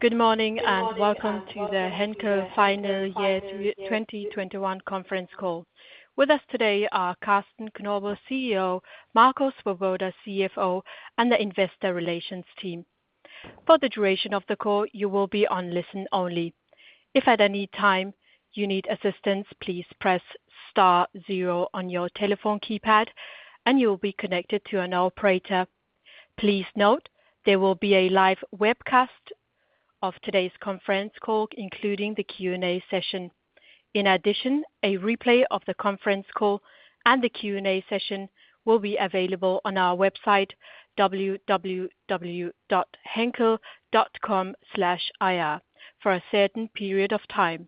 Good morning, and welcome to the Henkel Final Year 2021 Conference Call. With us today are Carsten Knobel, CEO, Marco Swoboda, CFO, and the investor relations team. For the duration of the call, you will be on listen only. If at any time you need assistance, please press star 0 on your telephone keypad, and you will be connected to an operator. Please note there will be a live webcast of today's conference call, including the Q&A session. In addition, a replay of the conference call and the Q&A session will be available on our website, www.henkel.com/ir for a certain period of time.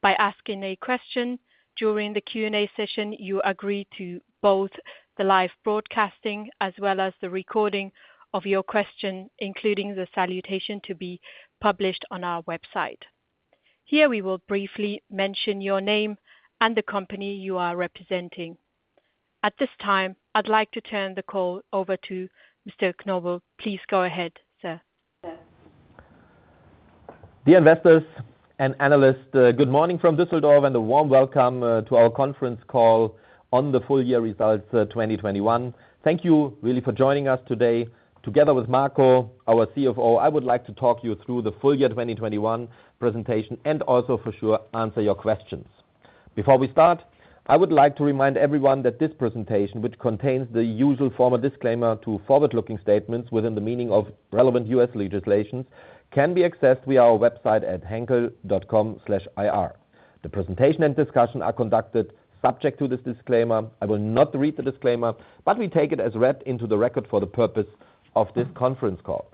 By asking a question during the Q&A session, you agree to both the live broadcasting as well as the recording of your question, including the salutation to be published on our website. Here, we will briefly mention your name and the company you are representing. At this time, I'd like to turn the call over to Mr. Knobel. Please go ahead, sir. Dear investors and analysts, good morning from Düsseldorf and a warm welcome to our Conference Call on the Full-Year Results 2021. Thank you really for joining us today. Together with Marco, our CFO, I would like to talk you through the full year 2021 presentation and also for sure answer your questions. Before we start, I would like to remind everyone that this presentation, which contains the usual formal disclaimer to forward-looking statements within the meaning of relevant U.S. legislation, can be accessed via our website at henkel.com/ir. The presentation and discussion are conducted subject to this disclaimer. I will not read the disclaimer, but we take it as read into the record for the purpose of this conference call.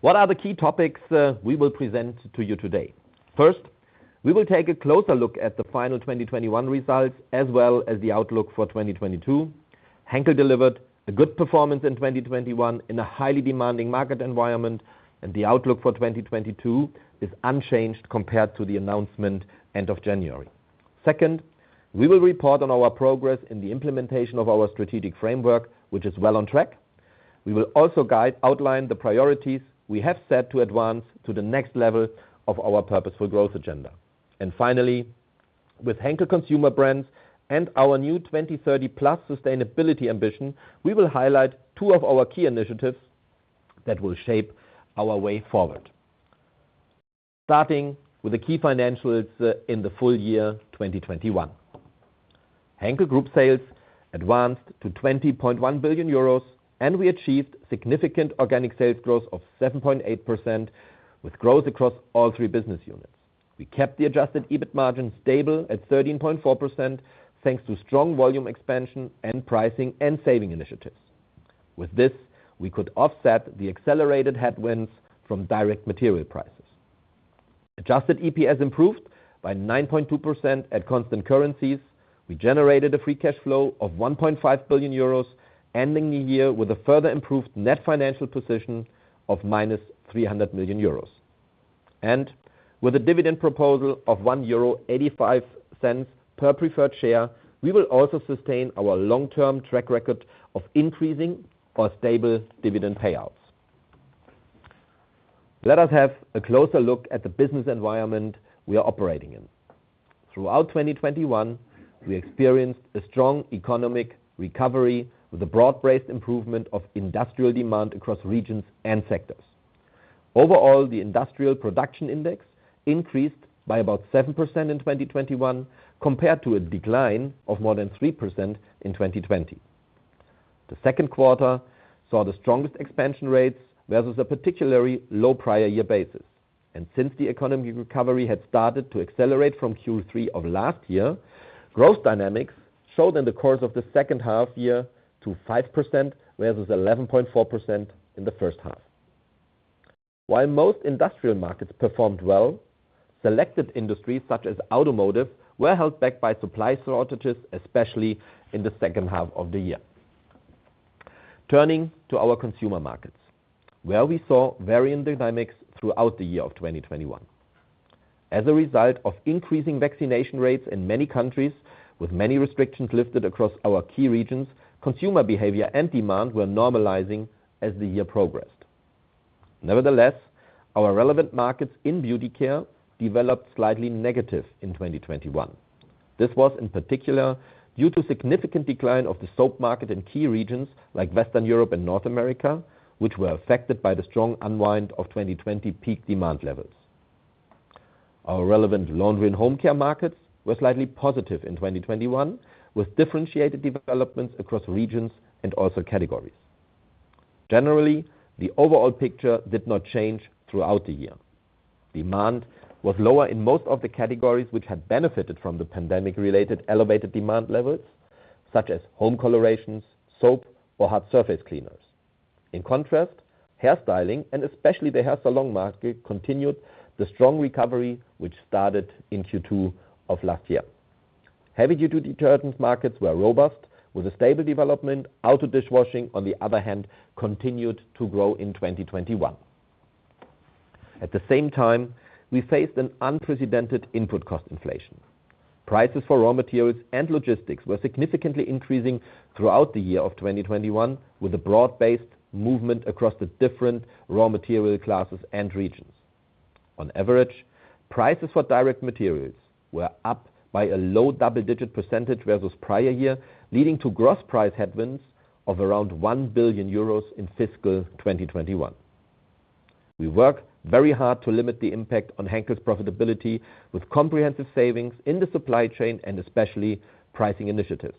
What are the key topics we will present to you today? First, we will take a closer look at the final 2021 results as well as the outlook for 2022. Henkel delivered a good performance in 2021 in a highly demanding market environment, and the outlook for 2022 is unchanged compared to the announcement at the end of January. Second, we will report on our progress in the implementation of our strategic framework, which is well on track. We will also outline the priorities we have set to advance to the next level of our Purposeful Growth Agenda. Finally, with Henkel Consumer Brands and our new 2030+ Sustainability Ambition, we will highlight two of our key initiatives that will shape our way forward. Starting with the key financials in the full year 2021. Henkel Group sales advanced to 20.1 billion euros, and we achieved significant organic sales growth of 7.8% with growth across all three business units. We kept the adjusted EBIT margin stable at 13.4% thanks to strong volume expansion and pricing and saving initiatives. With this, we could offset the accelerated headwinds from direct material prices. Adjusted EPS improved by 9.2% at constant currencies. We generated a free cash flow of 1.5 billion euros, ending the year with a further improved net financial position of -300 million euros. With a dividend proposal of 1.85 euro per preferred share, we will also sustain our long-term track record of increasing our stable dividend payouts. Let us have a closer look at the business environment we are operating in. Throughout 2021, we experienced a strong economic recovery with a broad-based improvement of industrial demand across regions and sectors. Overall, the industrial production index increased by about 7% in 2021 compared to a decline of more than 3% in 2020. The second quarter saw the strongest expansion rates versus a particularly low prior year basis. Since the economic recovery had started to accelerate from Q3 of last year, growth dynamics showed in the course of the second half year to 5%, whereas it's 11.4% in the first half. While most industrial markets performed well, selected industries such as automotive were held back by supply shortages, especially in the second half of the year. Turning to our consumer markets, where we saw varying dynamics throughout the year of 2021. As a result of increasing vaccination rates in many countries, with many restrictions lifted across our key regions, consumer behavior and demand were normalizing as the year progressed. Nevertheless, our relevant markets in Beauty Care developed slightly negative in 2021. This was in particular due to significant decline of the soap market in key regions like Western Europe and North America, which were affected by the strong unwind of 2020 peak demand levels. Our relevant Laundry & Home Care markets were slightly positive in 2021, with differentiated developments across regions and also categories. Generally, the overall picture did not change throughout the year. Demand was lower in most of the categories which had benefited from the pandemic-related elevated demand levels, such as home colorations, soap or hard surface cleaners. In contrast, hairstyling and especially the hair salon market continued the strong recovery which started in Q2 of last year. Heavy duty detergents markets were robust with a stable development. Auto dishwashing, on the other hand, continued to grow in 2021. At the same time, we faced an unprecedented input cost inflation. Prices for raw materials and logistics were significantly increasing throughout the year of 2021, with a broad-based movement across the different raw material classes and regions. On average, prices for direct materials were up by a low double-digit % versus prior year, leading to gross price headwinds of around 1 billion euros in fiscal 2021. We worked very hard to limit the impact on Henkel's profitability with comprehensive savings in the supply chain and especially pricing initiatives.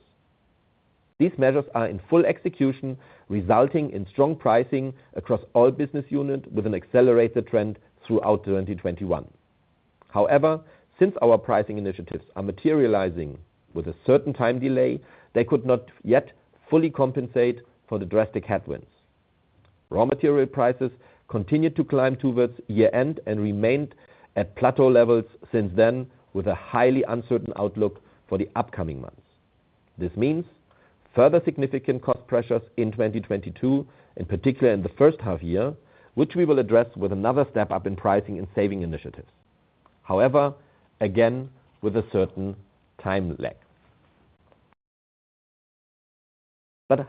These measures are in full execution, resulting in strong pricing across all business unit with an accelerated trend throughout 2021. However, since our pricing initiatives are materializing with a certain time delay, they could not yet fully compensate for the drastic headwinds. Raw material prices continued to climb towards year-end and remained at plateau levels since then, with a highly uncertain outlook for the upcoming months. This means further significant cost pressures in 2022, in particular in the first half year, which we will address with another step-up in pricing and saving initiatives. However, again, with a certain time lag.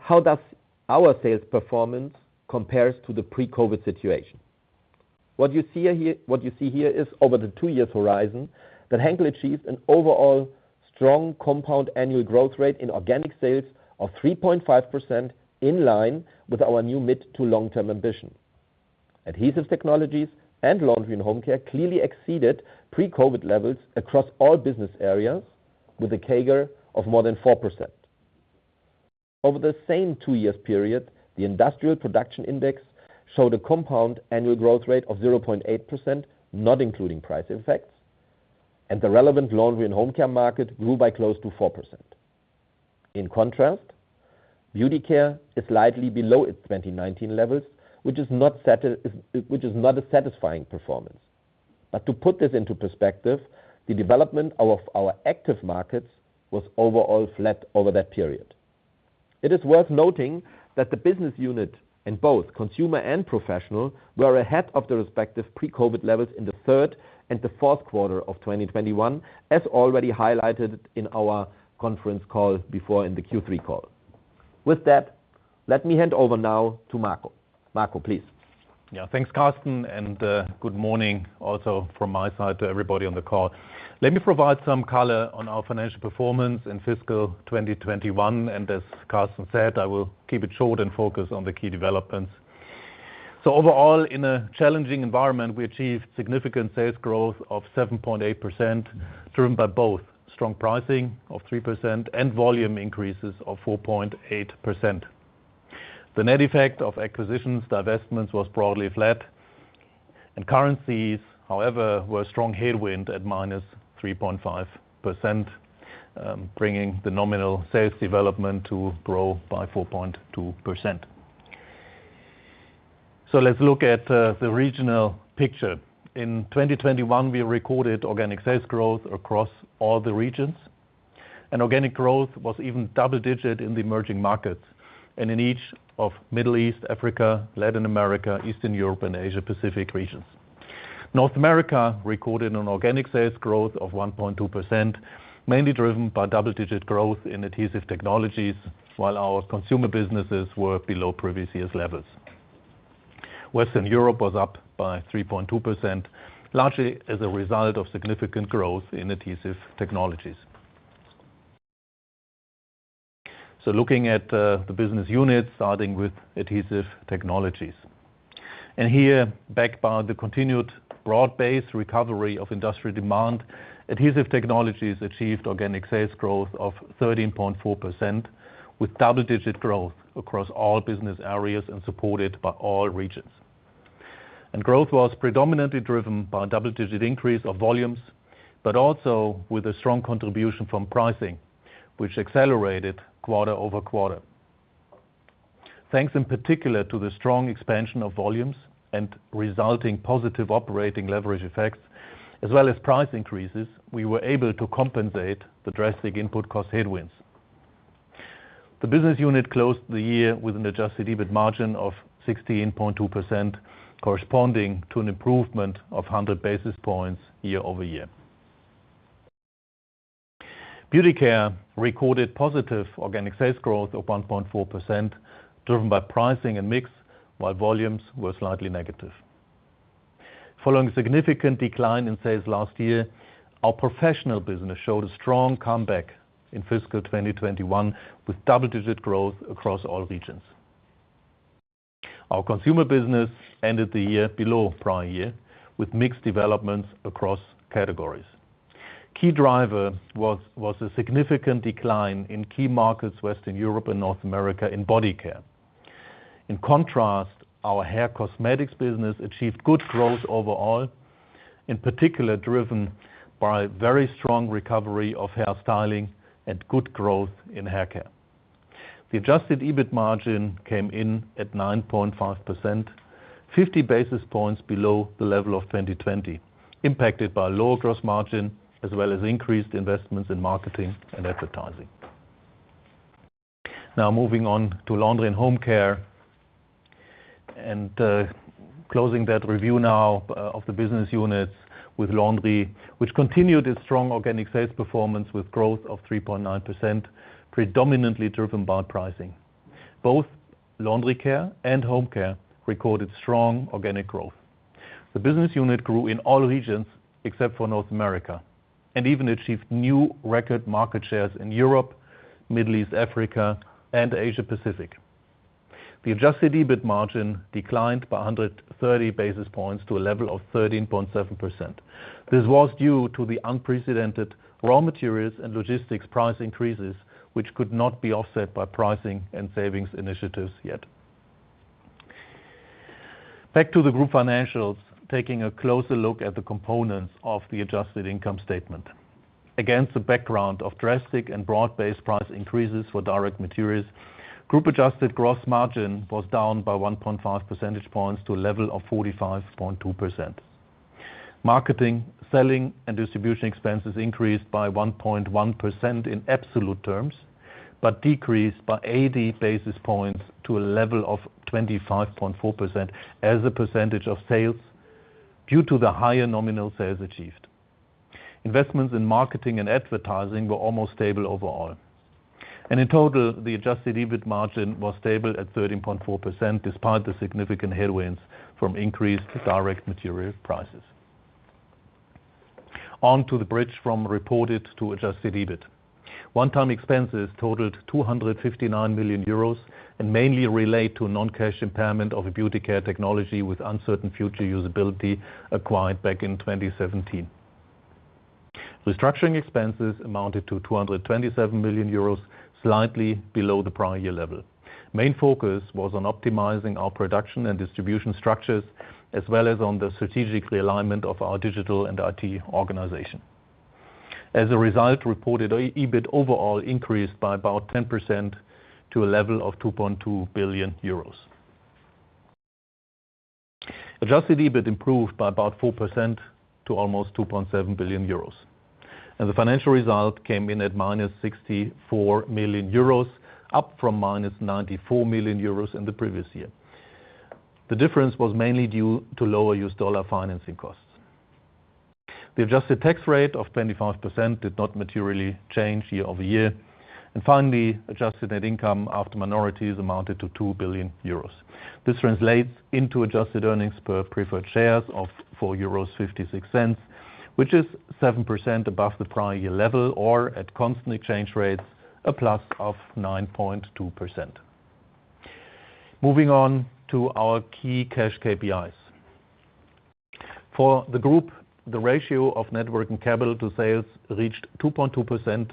How does our sales performance compares to the pre-COVID situation? What you see here is over the two-year horizon, that Henkel achieved an overall strong compound annual growth rate in organic sales of 3.5% in line with our new mid- to long-term ambition. Adhesive Technologies and Laundry & Home Care clearly exceeded pre-COVID levels across all business areas with a CAGR of more than 4%. Over the same two-year period, the industrial production index showed a compound annual growth rate of 0.8%, not including price effects. The relevant Laundry & Home Care market grew by close to 4%. In contrast, Beauty Care is slightly below its 2019 levels, which is not a satisfying performance. To put this into perspective, the development of our active markets was overall flat over that period. It is worth noting that the business unit in both consumer and professional were ahead of the respective pre-COVID levels in the third and the fourth quarter of 2021, as already highlighted in our conference call before in the Q3 call. With that, let me hand over now to Marco. Marco, please. Yeah. Thanks, Carsten, and good morning also from my side to everybody on the call. Let me provide some color on our financial performance in fiscal 2021. As Carsten said, I will keep it short and focus on the key developments. Overall, in a challenging environment, we achieved significant sales growth of 7.8%, driven by both strong pricing of 3% and volume increases of 4.8%. The net effect of acquisitions, divestments was broadly flat, and currencies, however, were a strong headwind at -3.5%, bringing the nominal sales development to grow by 4.2%. Let's look at the regional picture. In 2021, we recorded organic sales growth across all the regions, and organic growth was even double-digit in the emerging markets, and in each of Middle East, Africa, Latin America, Eastern Europe, and Asia-Pacific regions. North America recorded an organic sales growth of 1.2%, mainly driven by double-digit growth in Adhesive Technologies, while our consumer businesses were below previous year's levels. Western Europe was up by 3.2%, largely as a result of significant growth in Adhesive Technologies. Looking at the business units, starting with Adhesive Technologies. Here, backed by the continued broad-based recovery of industrial demand, Adhesive Technologies achieved organic sales growth of 13.4%, with double-digit growth across all business areas and supported by all regions. Growth was predominantly driven by a double-digit increase of volumes, but also with a strong contribution from pricing, which accelerated quarter-over-quarter. Thanks in particular to the strong expansion of volumes and resulting positive operating leverage effects as well as price increases, we were able to compensate the drastic input cost headwinds. The business unit closed the year with an adjusted EBIT margin of 16.2%, corresponding to an improvement of 100 basis points year-over-year. Beauty Care recorded positive organic sales growth of 1.4%, driven by pricing and mix, while volumes were slightly negative. Following significant decline in sales last year, our professional business showed a strong comeback in fiscal 2021 with double-digit growth across all regions. Our consumer business ended the year below prior year with mixed developments across categories. Key driver was a significant decline in key markets, Western Europe and North America in body care. In contrast, our hair cosmetics business achieved good growth overall, in particular driven by very strong recovery of hair styling and good growth in hair care. The adjusted EBIT margin came in at 9.5%, 50 basis points below the level of 2020, impacted by lower gross margin, as well as increased investments in marketing and advertising. Now moving on to Laundry & Home Care. Closing that review now of the business units with Laundry, which continued its strong organic sales performance with growth of 3.9%, predominantly driven by pricing. Both Laundry Care and Home Care recorded strong organic growth. The business unit grew in all regions except for North America, and even achieved new record market shares in Europe, Middle East, Africa, and Asia-Pacific. The adjusted EBIT margin declined by 130 basis points to a level of 13.7%. This was due to the unprecedented raw materials and logistics price increases, which could not be offset by pricing and savings initiatives yet. Back to the group financials, taking a closer look at the components of the adjusted income statement. Against the background of drastic and broad-based price increases for direct materials, group adjusted gross margin was down by 1.5 percentage points to a level of 45.2%. Marketing, selling, and distribution expenses increased by 1.1% in absolute terms, but decreased by 80 basis points to a level of 25.4% as a percentage of sales due to the higher nominal sales achieved. Investments in marketing and advertising were almost stable overall. In total, the adjusted EBIT margin was stable at 13.4% despite the significant headwinds from increased direct material prices. On to the bridge from reported to adjusted EBIT. One-time expenses totaled 259 million euros and mainly relate to a non-cash impairment of a Beauty Care technology with uncertain future usability acquired back in 2017. Restructuring expenses amounted to 227 million euros, slightly below the prior year level. Main focus was on optimizing our production and distribution structures, as well as on the strategic realignment of our digital and IT organization. As a result, reported EBIT overall increased by about 10% to a level of 2.2 billion euros. Adjusted EBIT improved by about 4% to almost 2.7 billion euros. The financial result came in at -64 million euros, up from -94 million euros in the previous year. The difference was mainly due to lower US dollar financing costs. The adjusted tax rate of 25% did not materially change year-over-year. Finally, adjusted net income after minorities amounted to 2 billion euros. This translates into adjusted earnings per preferred shares of 4.56 euros, which is 7% above the prior year level or at constant exchange rates, a plus of 9.2%. Moving on to our key cash KPIs. For the group, the ratio of net working capital to sales reached 2.2%.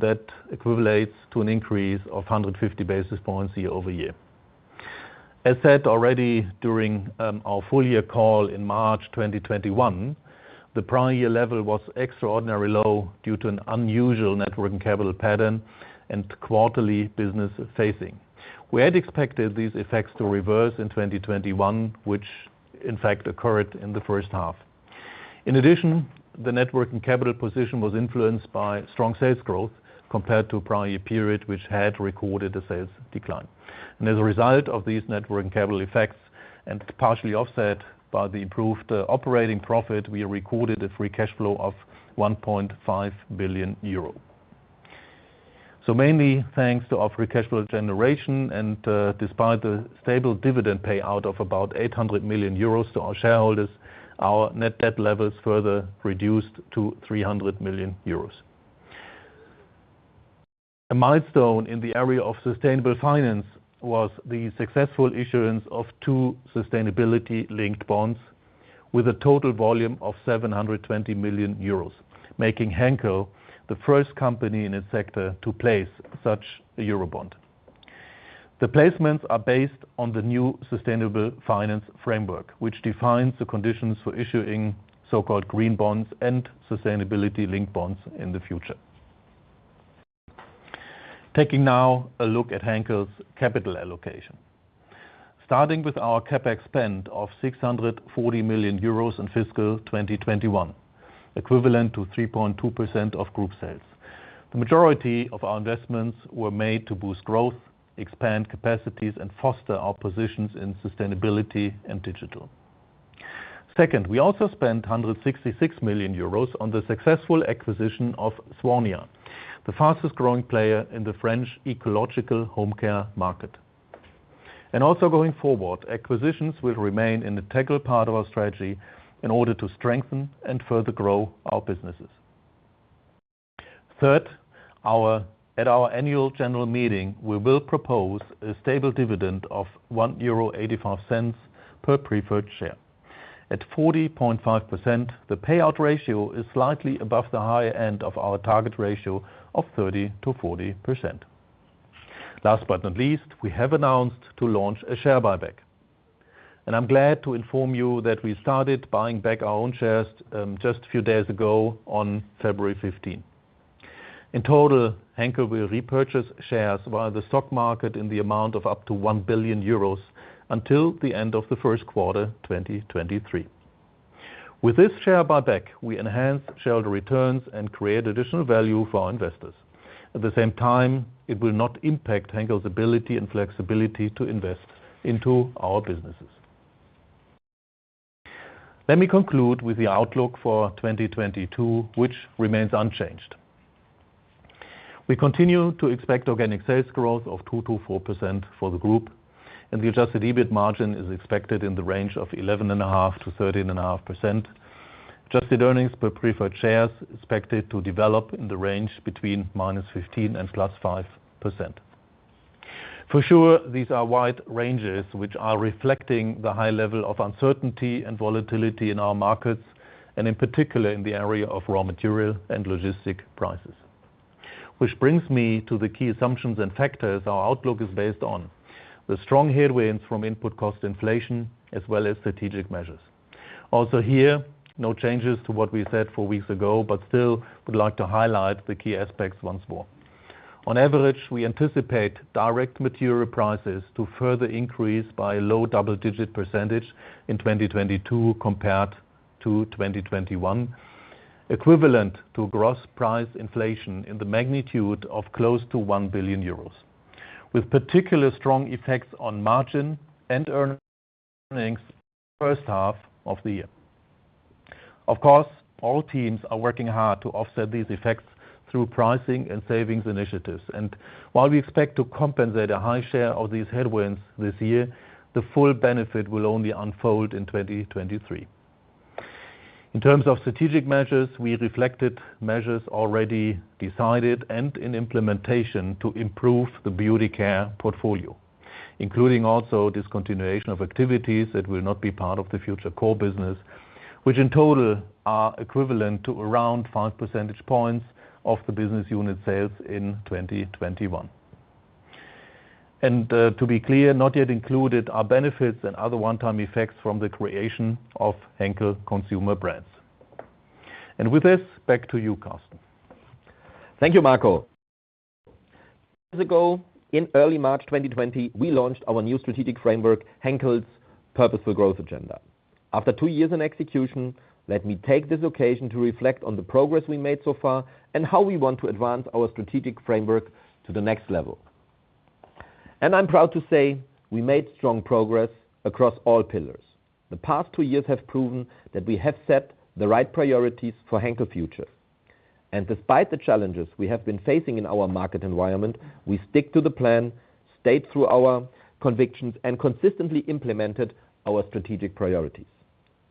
That equates to an increase of 150 basis points year-over-year. As said already during our full year call in March 2021, the prior year level was extraordinarily low due to an unusual net working capital pattern and quarterly business phasing. We had expected these effects to reverse in 2021, which in fact occurred in the first half. In addition, the net working capital position was influenced by strong sales growth compared to a prior year period, which had recorded a sales decline. As a result of these net working capital effects and partially offset by the improved operating profit, we recorded a free cash flow of 1.5 billion euro. Mainly thanks to our free cash flow generation and, despite the stable dividend payout of about 800 million euros to our shareholders, our net debt levels further reduced to 300 million euros. A milestone in the area of sustainable finance was the successful issuance of two sustainability-linked bonds with a total volume of 720 million euros, making Henkel the first company in its sector to place such a eurobond. The placements are based on the new sustainable finance framework, which defines the conditions for issuing so-called green bonds and sustainability-linked bonds in the future. Taking now a look at Henkel's capital allocation. Starting with our CapEx spend of 640 million euros in fiscal 2021, equivalent to 3.2% of group sales. The majority of our investments were made to boost growth, expand capacities, and foster our positions in sustainability and digital. Second, we also spent 166 million euros on the successful acquisition of Swania, the fastest-growing player in the French ecological home care market. Also going forward, acquisitions will remain an integral part of our strategy in order to strengthen and further grow our businesses. Third, at our annual general meeting, we will propose a stable dividend of 1.85 euro per preferred share. At 40.5%, the payout ratio is slightly above the high end of our target ratio of 30%-40%. Last but not least, we have announced to launch a share buyback. I'm glad to inform you that we started buying back our own shares just a few days ago on February fifteenth. In total, Henkel will repurchase shares via the stock market in the amount of up to 1 billion euros until the end of Q1 2023. With this share buyback, we enhance shareholder returns and create additional value for our investors. At the same time, it will not impact Henkel's ability and flexibility to invest into our businesses. Let me conclude with the outlook for 2022, which remains unchanged. We continue to expect organic sales growth of 2%-4% for the group, and the adjusted EBIT margin is expected in the range of 11.5%-13.5%. Adjusted earnings per preferred shares expected to develop in the range between -15% and +5%. For sure, these are wide ranges, which are reflecting the high level of uncertainty and volatility in our markets, and in particular in the area of raw material and logistics prices. Which brings me to the key assumptions and factors our outlook is based on the strong headwinds from input cost inflation as well as strategic measures. Also here, no changes to what we said four weeks ago, but still would like to highlight the key aspects once more. On average, we anticipate direct material prices to further increase by a low double-digit percentage in 2022 compared to 2021, equivalent to gross price inflation in the magnitude of close to 1 billion euros, with particularly strong effects on margin and earnings first half of the year. Of course, all teams are working hard to offset these effects through pricing and savings initiatives. While we expect to compensate a high share of these headwinds this year, the full benefit will only unfold in 2023. In terms of strategic measures, we reflected measures already decided and in implementation to improve the Beauty Care portfolio, including also discontinuation of activities that will not be part of the future core business, which in total are equivalent to around 5 percentage points of the business unit sales in 2021. To be clear, not yet included are benefits and other one-time effects from the creation of Henkel Consumer Brands. With this, back to you, Carsten. Thank you, Marco. Two years ago, in early March 2020, we launched our new strategic framework, Henkel's Purposeful Growth Agenda. After two years in execution, let me take this occasion to reflect on the progress we made so far and how we want to advance our strategic framework to the next level. I'm proud to say we made strong progress across all pillars. The past two years have proven that we have set the right priorities for Henkel Future. Despite the challenges we have been facing in our market environment, we stick to the plan, stuck to our convictions, and consistently implemented our strategic priorities.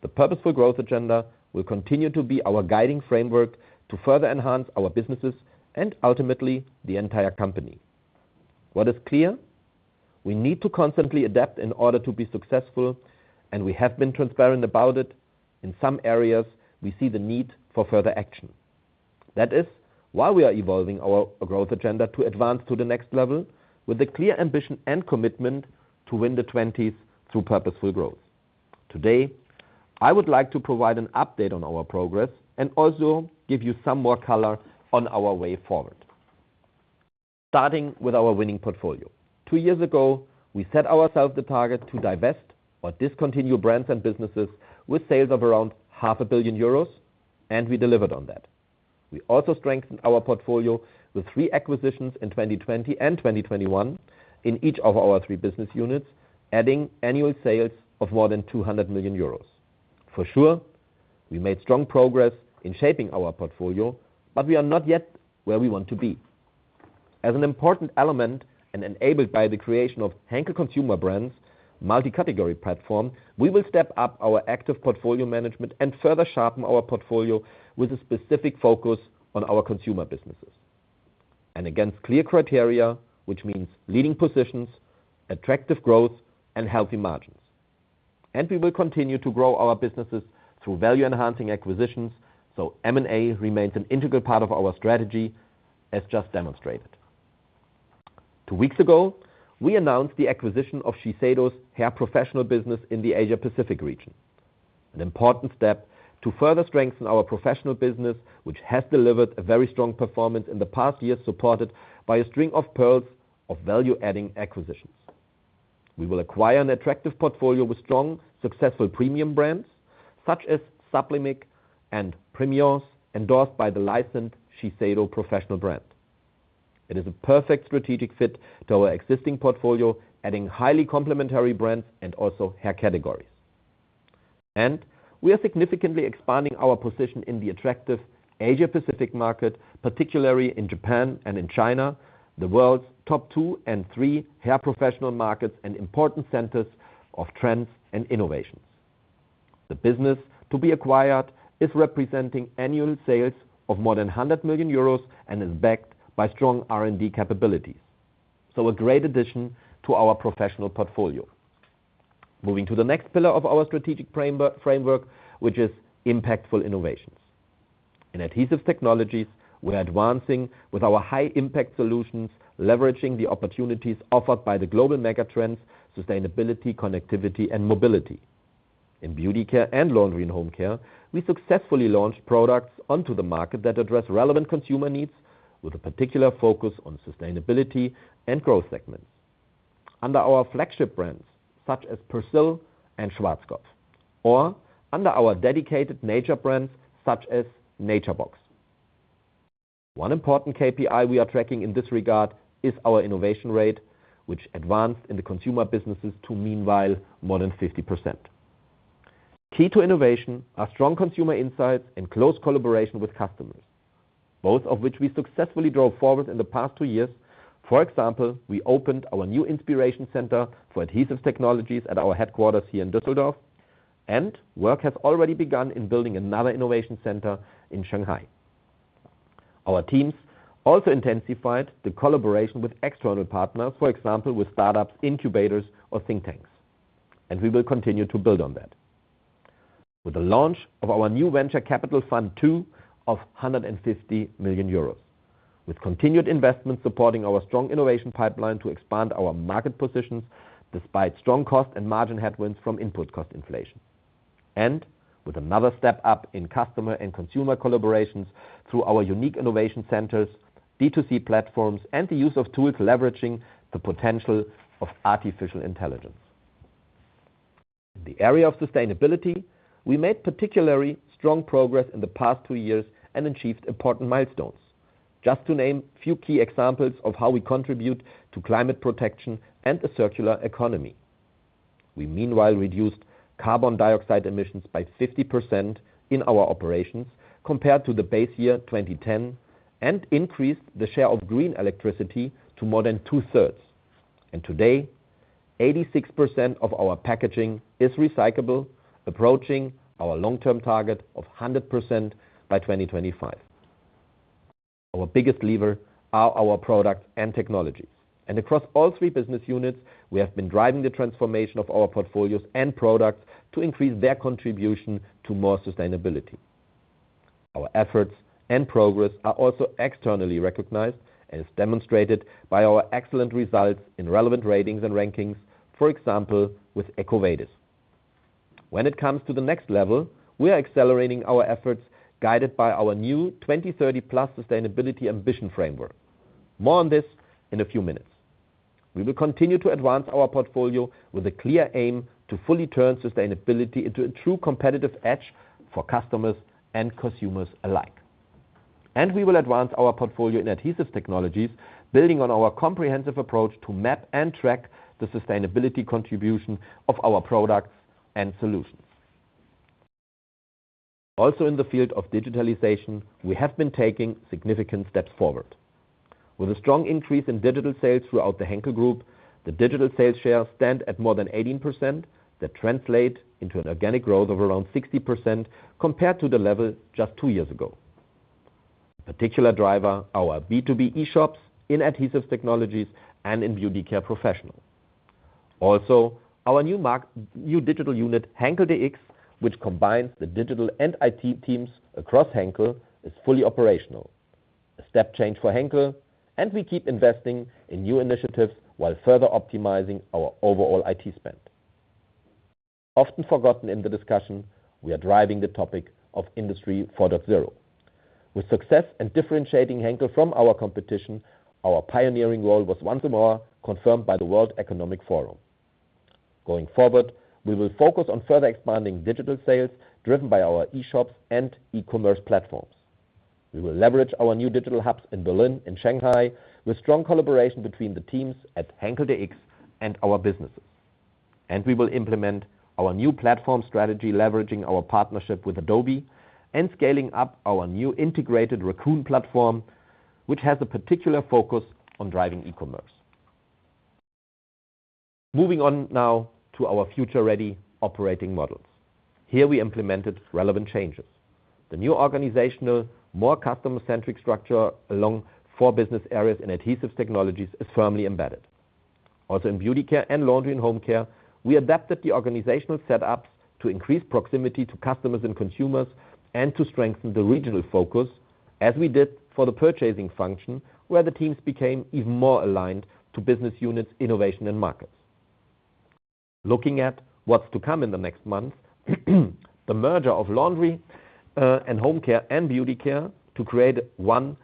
The Purposeful Growth Agenda will continue to be our guiding framework to further enhance our businesses and ultimately the entire company. What is clear, we need to constantly adapt in order to be successful, and we have been transparent about it. In some areas, we see the need for further action. That is why we are evolving our growth agenda to advance to the next level with a clear ambition and commitment to win the twenties through Purposeful Growth. Today, I would like to provide an update on our progress and also give you some more color on our way forward. Starting with our winning portfolio. Two years ago, we set ourselves the target to divest or discontinue brands and businesses with sales of around half a billion EUR, and we delivered on that. We also strengthened our portfolio with three acquisitions in 2020 and 2021 in each of our three business units, adding annual sales of more than 200 million euros. For sure, we made strong progress in shaping our portfolio, but we are not yet where we want to be. As an important element and enabled by the creation of Henkel Consumer Brands multi-category platform, we will step up our active portfolio management and further sharpen our portfolio with a specific focus on our consumer businesses. Against clear criteria, which means leading positions, attractive growth, and healthy margins. We will continue to grow our businesses through value-enhancing acquisitions, so M&A remains an integral part of our strategy, as just demonstrated. Two weeks ago, we announced the acquisition of Shiseido's hair professional business in the Asia-Pacific region, an important step to further strengthen our professional business, which has delivered a very strong performance in the past years, supported by a string of pearls of value-adding acquisitions. We will acquire an attractive portfolio with strong, successful premium brands such as SUBLIMIC and PRIMIENCE, endorsed by the licensed Shiseido professional brand. It is a perfect strategic fit to our existing portfolio, adding highly complementary brands and also hair categories. We are significantly expanding our position in the attractive Asia-Pacific market, particularly in Japan and in China, the world's top two and three hair professional markets and important centers of trends and innovations. The business to be acquired is representing annual sales of more than 100 million euros and is backed by strong R&D capabilities. A great addition to our professional portfolio. Moving to the next pillar of our strategic framework, which is impactful innovations. In Adhesive Technologies, we're advancing with our high-impact solutions, leveraging the opportunities offered by the global mega-trends, sustainability, connectivity, and mobility. In Beauty Care and Laundry & Home Care, we successfully launched products onto the market that address relevant consumer needs with a particular focus on sustainability and growth segments, under our flagship brands, such as Persil and Schwarzkopf, or under our dedicated nature brands such as Nature Box. One important KPI we are tracking in this regard is our innovation rate, which advanced in the consumer businesses to meanwhile more than 50%. Key to innovation are strong consumer insights and close collaboration with customers, both of which we successfully drove forward in the past two years. For example, we opened our new Inspiration Center for Adhesive Technologies at our headquarters here in Düsseldorf, and work has already begun in building another innovation center in Shanghai. Our teams also intensified the collaboration with external partners, for example, with startups, incubators, or think tanks, and we will continue to build on that. With the launch of our new venture capital fund of 250 million euros, with continued investment supporting our strong innovation pipeline to expand our market positions despite strong cost and margin headwinds from input cost inflation. With another step up in customer and consumer collaborations through our unique innovation centers, D2C platforms, and the use of tools leveraging the potential of artificial intelligence. In the area of sustainability, we made particularly strong progress in the past two years and achieved important milestones. Just to name a few key examples of how we contribute to climate protection and a circular economy. We meanwhile reduced carbon dioxide emissions by 50% in our operations compared to the base year 2010, and increased the share of green electricity to more than two-thirds. Today, 86% of our packaging is recyclable, approaching our long-term target of 100% by 2025. Our biggest lever are our products and technologies. Across all 3 business units, we have been driving the transformation of our portfolios and products to increase their contribution to more sustainability. Our efforts and progress are also externally recognized and is demonstrated by our excellent results in relevant ratings and rankings, for example, with EcoVadis. When it comes to the next level, we are accelerating our efforts guided by our new 2030+ Sustainability Ambition framework. More on this in a few minutes. We will continue to advance our portfolio with a clear aim to fully turn sustainability into a true competitive edge for customers and consumers alike. We will advance our portfolio in Adhesive Technologies, building on our comprehensive approach to map and track the sustainability contribution of our products and solutions. In the field of digitalization, we have been taking significant steps forward. With a strong increase in digital sales throughout the Henkel Group, the digital sales share stands at more than 18% that translates into an organic growth of around 60% compared to the level just two years ago. Particular driver, our B2B e-shops in Adhesive Technologies and in Beauty Care professional. Our new digital unit, Henkel dx, which combines the digital and IT teams across Henkel, is fully operational. A step change for Henkel, and we keep investing in new initiatives while further optimizing our overall IT spend. Often forgotten in the discussion, we are driving the topic of Industry 4.0. With success and differentiating Henkel from our competition, our pioneering role was once more confirmed by the World Economic Forum. Going forward, we will focus on further expanding digital sales driven by our e-shops and e-commerce platforms. We will leverage our new digital hubs in Berlin and Shanghai with strong collaboration between the teams at Henkel dx and our businesses. We will implement our new platform strategy, leveraging our partnership with Adobe and scaling up our new integrated RACOON platform, which has a particular focus on driving e-commerce. Moving on now to our future-ready operating models. Here we implemented relevant changes. The new organizational, more customer-centric structure along four business areas and Adhesive Technologies is firmly embedded. In Beauty Care and Laundry & Home Care, we adapted the organizational set-ups to increase proximity to customers and consumers and to strengthen the regional focus as we did for the purchasing function, where the teams became even more aligned to business units, innovation, and markets. Looking at what's to come in the next month, the merger of Laundry & Home Care and Beauty Care to create one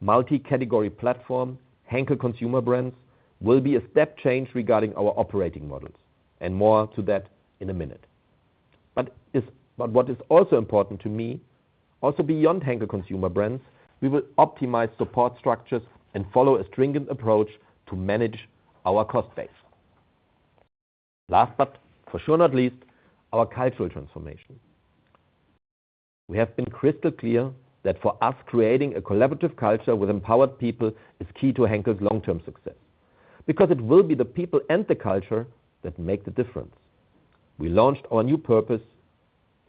multi-category platform, Henkel Consumer Brands, will be a step change regarding our operating models, and more to that in a minute. What is also important to me, also beyond Henkel Consumer Brands, we will optimize support structures and follow a stringent approach to manage our cost base. Last, but for sure, not least, our cultural transformation. We have been crystal clear that for us, creating a collaborative culture with empowered people is key to Henkel's long-term success, because it will be the people and the culture that make the difference. We launched our new purpose,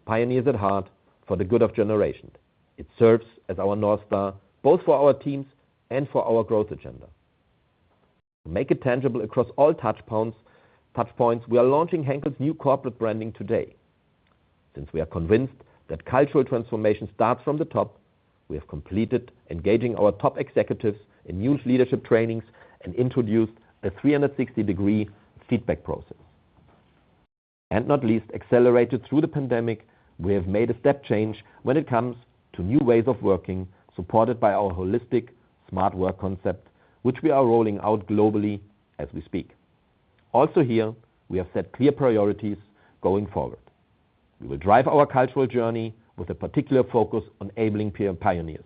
Pioneers at Heart for the Good of Generations. It serves as our North Star, both for our teams and for our growth agenda. To make it tangible across all touch points, we are launching Henkel's new corporate branding today. Since we are convinced that cultural transformation starts from the top, we have completed engaging our top executives in new leadership trainings and introduced a 360-degree feedback process. Not least accelerated through the pandemic, we have made a step change when it comes to new ways of working, supported by our holistic smart work concept, which we are rolling out globally as we speak. Also here, we have set clear priorities going forward. We will drive our cultural journey with a particular focus on enabling pioneers.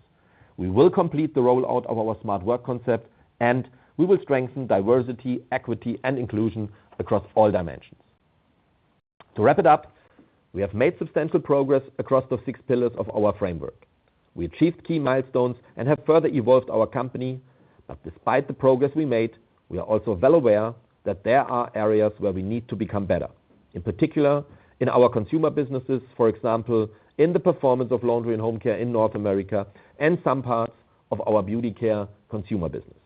We will complete the rollout of our smart work concept, and we will strengthen diversity, equity and inclusion across all dimensions. To wrap it up, we have made substantial progress across the six pillars of our framework. We achieved key milestones and have further evolved our company. Despite the progress we made, we are also well aware that there are areas where we need to become better, in particular in our consumer businesses, for example, in the performance of Laundry & Home Care in North America and some parts of our Beauty Care consumer business.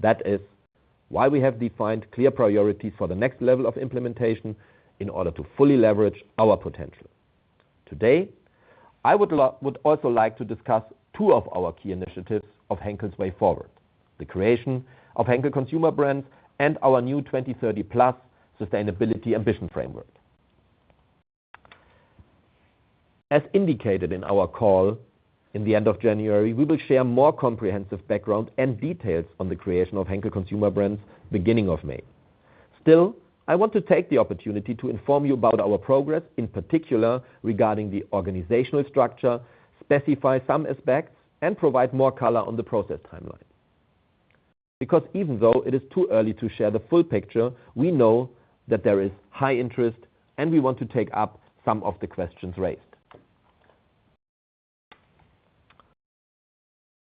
That is why we have defined clear priorities for the next level of implementation in order to fully leverage our potential. Today, I would also like to discuss two of our key initiatives of Henkel's way forward, the creation of Henkel Consumer Brands and our new 2030+ Sustainability Ambition framework. As indicated in our call in the end of January, we will share more comprehensive background and details on the creation of Henkel Consumer Brands beginning of May. Still, I want to take the opportunity to inform you about our progress, in particular regarding the organizational structure, specify some aspects, and provide more color on the process timeline. Because even though it is too early to share the full picture, we know that there is high interest and we want to take up some of the questions raised.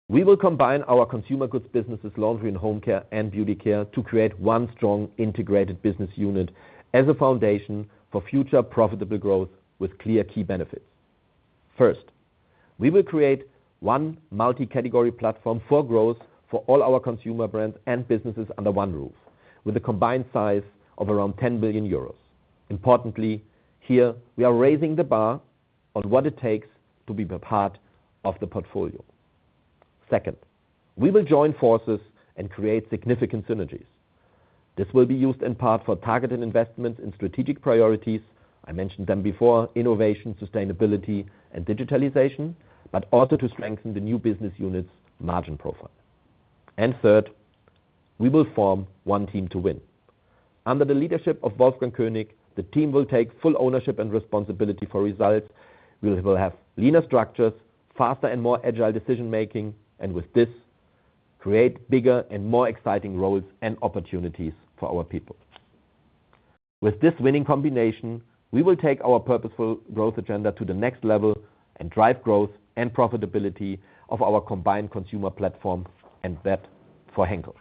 We will combine our consumer goods businesses, Laundry and Home Care, and Beauty Care to create one strong integrated business unit as a foundation for future profitable growth with clear key benefits. First, we will create one multi-category platform for growth for all our consumer brands and businesses under one roof with a combined size of around 10 billion euros. Importantly, here we are raising the bar on what it takes to be a part of the portfolio. Second, we will join forces and create significant synergies. This will be used in part for targeted investments in strategic priorities. I mentioned them before, innovation, sustainability and digitalization, but also to strengthen the new business unit's margin profile. Third, we will form one team to win. Under the leadership of Wolfgang König, the team will take full ownership and responsibility for results. We will have leaner structures, faster and more agile decision making, and with this, create bigger and more exciting roles and opportunities for our people. With this winning combination, we will take our Purposeful Growth Agenda to the next level and drive growth and profitability of our combined consumer platform and that for Henkel.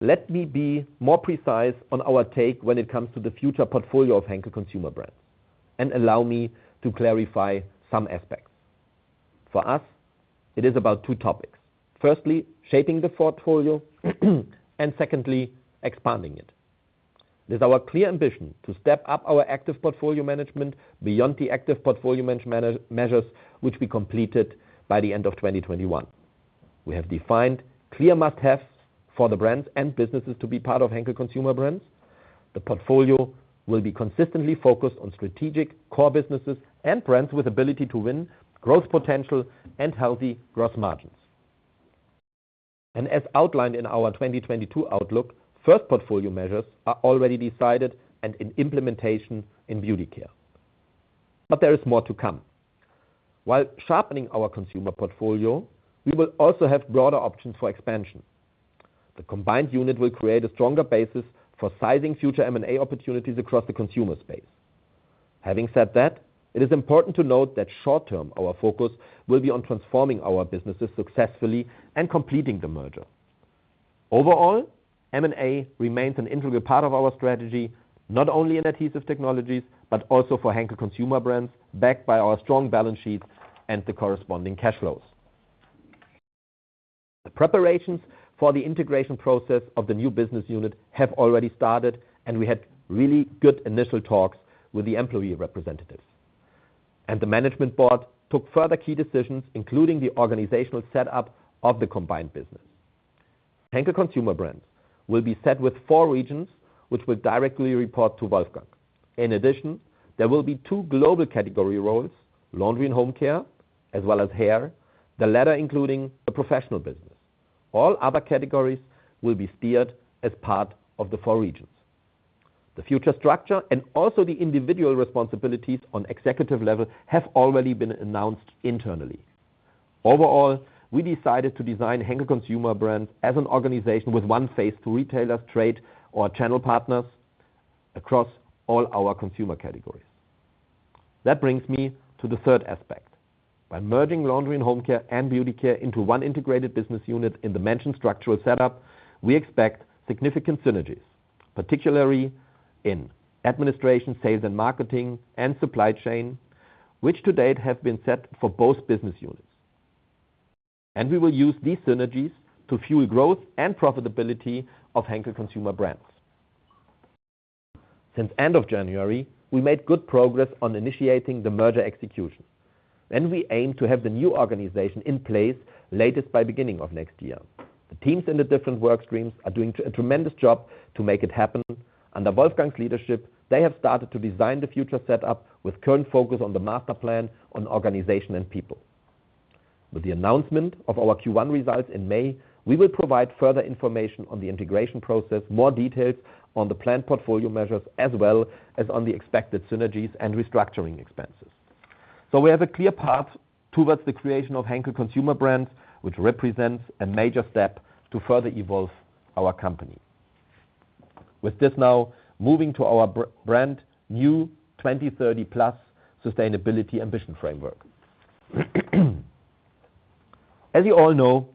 Let me be more precise on our take when it comes to the future portfolio of Henkel Consumer Brands, and allow me to clarify some aspects. For us, it is about two topics. Firstly, shaping the portfolio, and secondly, expanding it. It is our clear ambition to step up our active portfolio management beyond the active portfolio management measures which we completed by the end of 2021. We have defined clear must-haves for the brands and businesses to be part of Henkel Consumer Brands. The portfolio will be consistently focused on strategic core businesses and brands with ability to win growth potential and healthy growth margins. As outlined in our 2022 outlook, first portfolio measures are already decided and in implementation in Beauty Care. There is more to come. While sharpening our consumer portfolio, we will also have broader options for expansion. The combined unit will create a stronger basis for sizing future M&A opportunities across the consumer space. Having said that, it is important to note that short term, our focus will be on transforming our businesses successfully and completing the merger. Overall, M&A remains an integral part of our strategy, not only in Adhesive Technologies, but also for Henkel Consumer Brands, backed by our strong balance sheet and the corresponding cash flows. The preparations for the integration process of the new business unit have already started, and we had really good initial talks with the employee representatives. The management board took further key decisions, including the organizational setup of the combined business. Henkel Consumer Brands will be set with four regions which will directly report to Wolfgang. In addition, there will be two global category roles, Laundry and Home Care, as well as hair, the latter including the professional business. All other categories will be steered as part of the four regions. The future structure and also the individual responsibilities on executive level have already been announced internally. Overall, we decided to design Henkel Consumer Brands as an organization with one face to retailers, trade, or channel partners across all our consumer categories. That brings me to the third aspect. By merging Laundry & Home Care and Beauty Care into one integrated business unit in the mentioned structural setup, we expect significant synergies, particularly in administration, sales and marketing, and supply chain, which to date have been set for both business units. We will use these synergies to fuel growth and profitability of Henkel Consumer Brands. Since the end of January, we made good progress on initiating the merger execution. We aim to have the new organization in place latest by beginning of next year. The teams in the different work streams are doing a tremendous job to make it happen. Under Wolfgang's leadership, they have started to design the future setup with current focus on the master plan on organization and people. With the announcement of our Q1 results in May, we will provide further information on the integration process, more details on the planned portfolio measures, as well as on the expected synergies and restructuring expenses. We have a clear path towards the creation of Henkel Consumer Brands, which represents a major step to further evolve our company. With this now moving to our brand new 2030+ Sustainability Ambition framework. As you all know,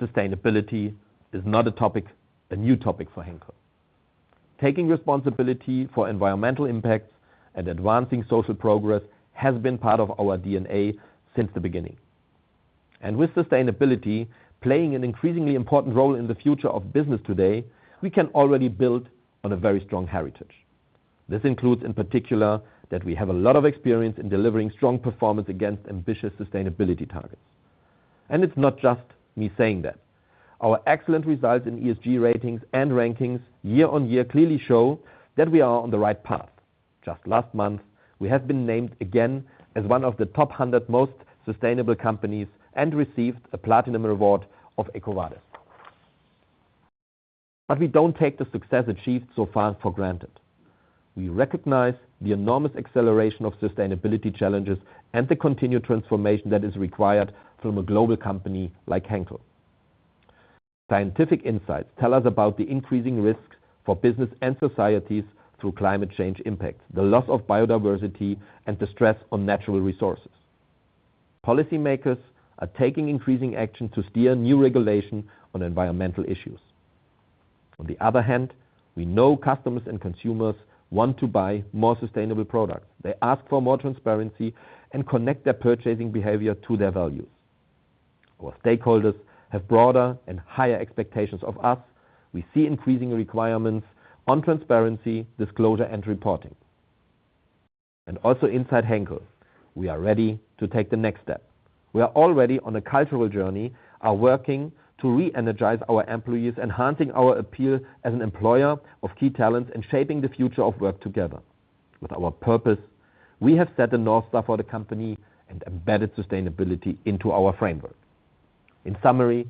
sustainability is not a topic, a new topic for Henkel. Taking responsibility for environmental impacts and advancing social progress has been part of our DNA since the beginning. With sustainability playing an increasingly important role in the future of business today, we can already build on a very strong heritage. This includes, in particular, that we have a lot of experience in delivering strong performance against ambitious sustainability targets. It's not just me saying that. Our excellent results in ESG ratings and rankings year-on-year clearly show that we are on the right path. Just last month, we have been named again as one of the top 100 most sustainable companies and received a platinum award of EcoVadis. We don't take the success achieved so far for granted. We recognize the enormous acceleration of sustainability challenges and the continued transformation that is required from a global company like Henkel. Scientific insights tell us about the increasing risks for business and societies through climate change impacts, the loss of biodiversity and the stress on natural resources. Policy makers are taking increasing action to steer new regulation on environmental issues. On the other hand, we know customers and consumers want to buy more sustainable products. They ask for more transparency and connect their purchasing behavior to their values. Our stakeholders have broader and higher expectations of us. We see increasing requirements on transparency, disclosure, and reporting. Also inside Henkel, we are ready to take the next step. We are already on a cultural journey, are working to re-energize our employees, enhancing our appeal as an employer of key talents, and shaping the future of work together. With our purpose, we have set the North Star for the company and embedded sustainability into our framework. In summary,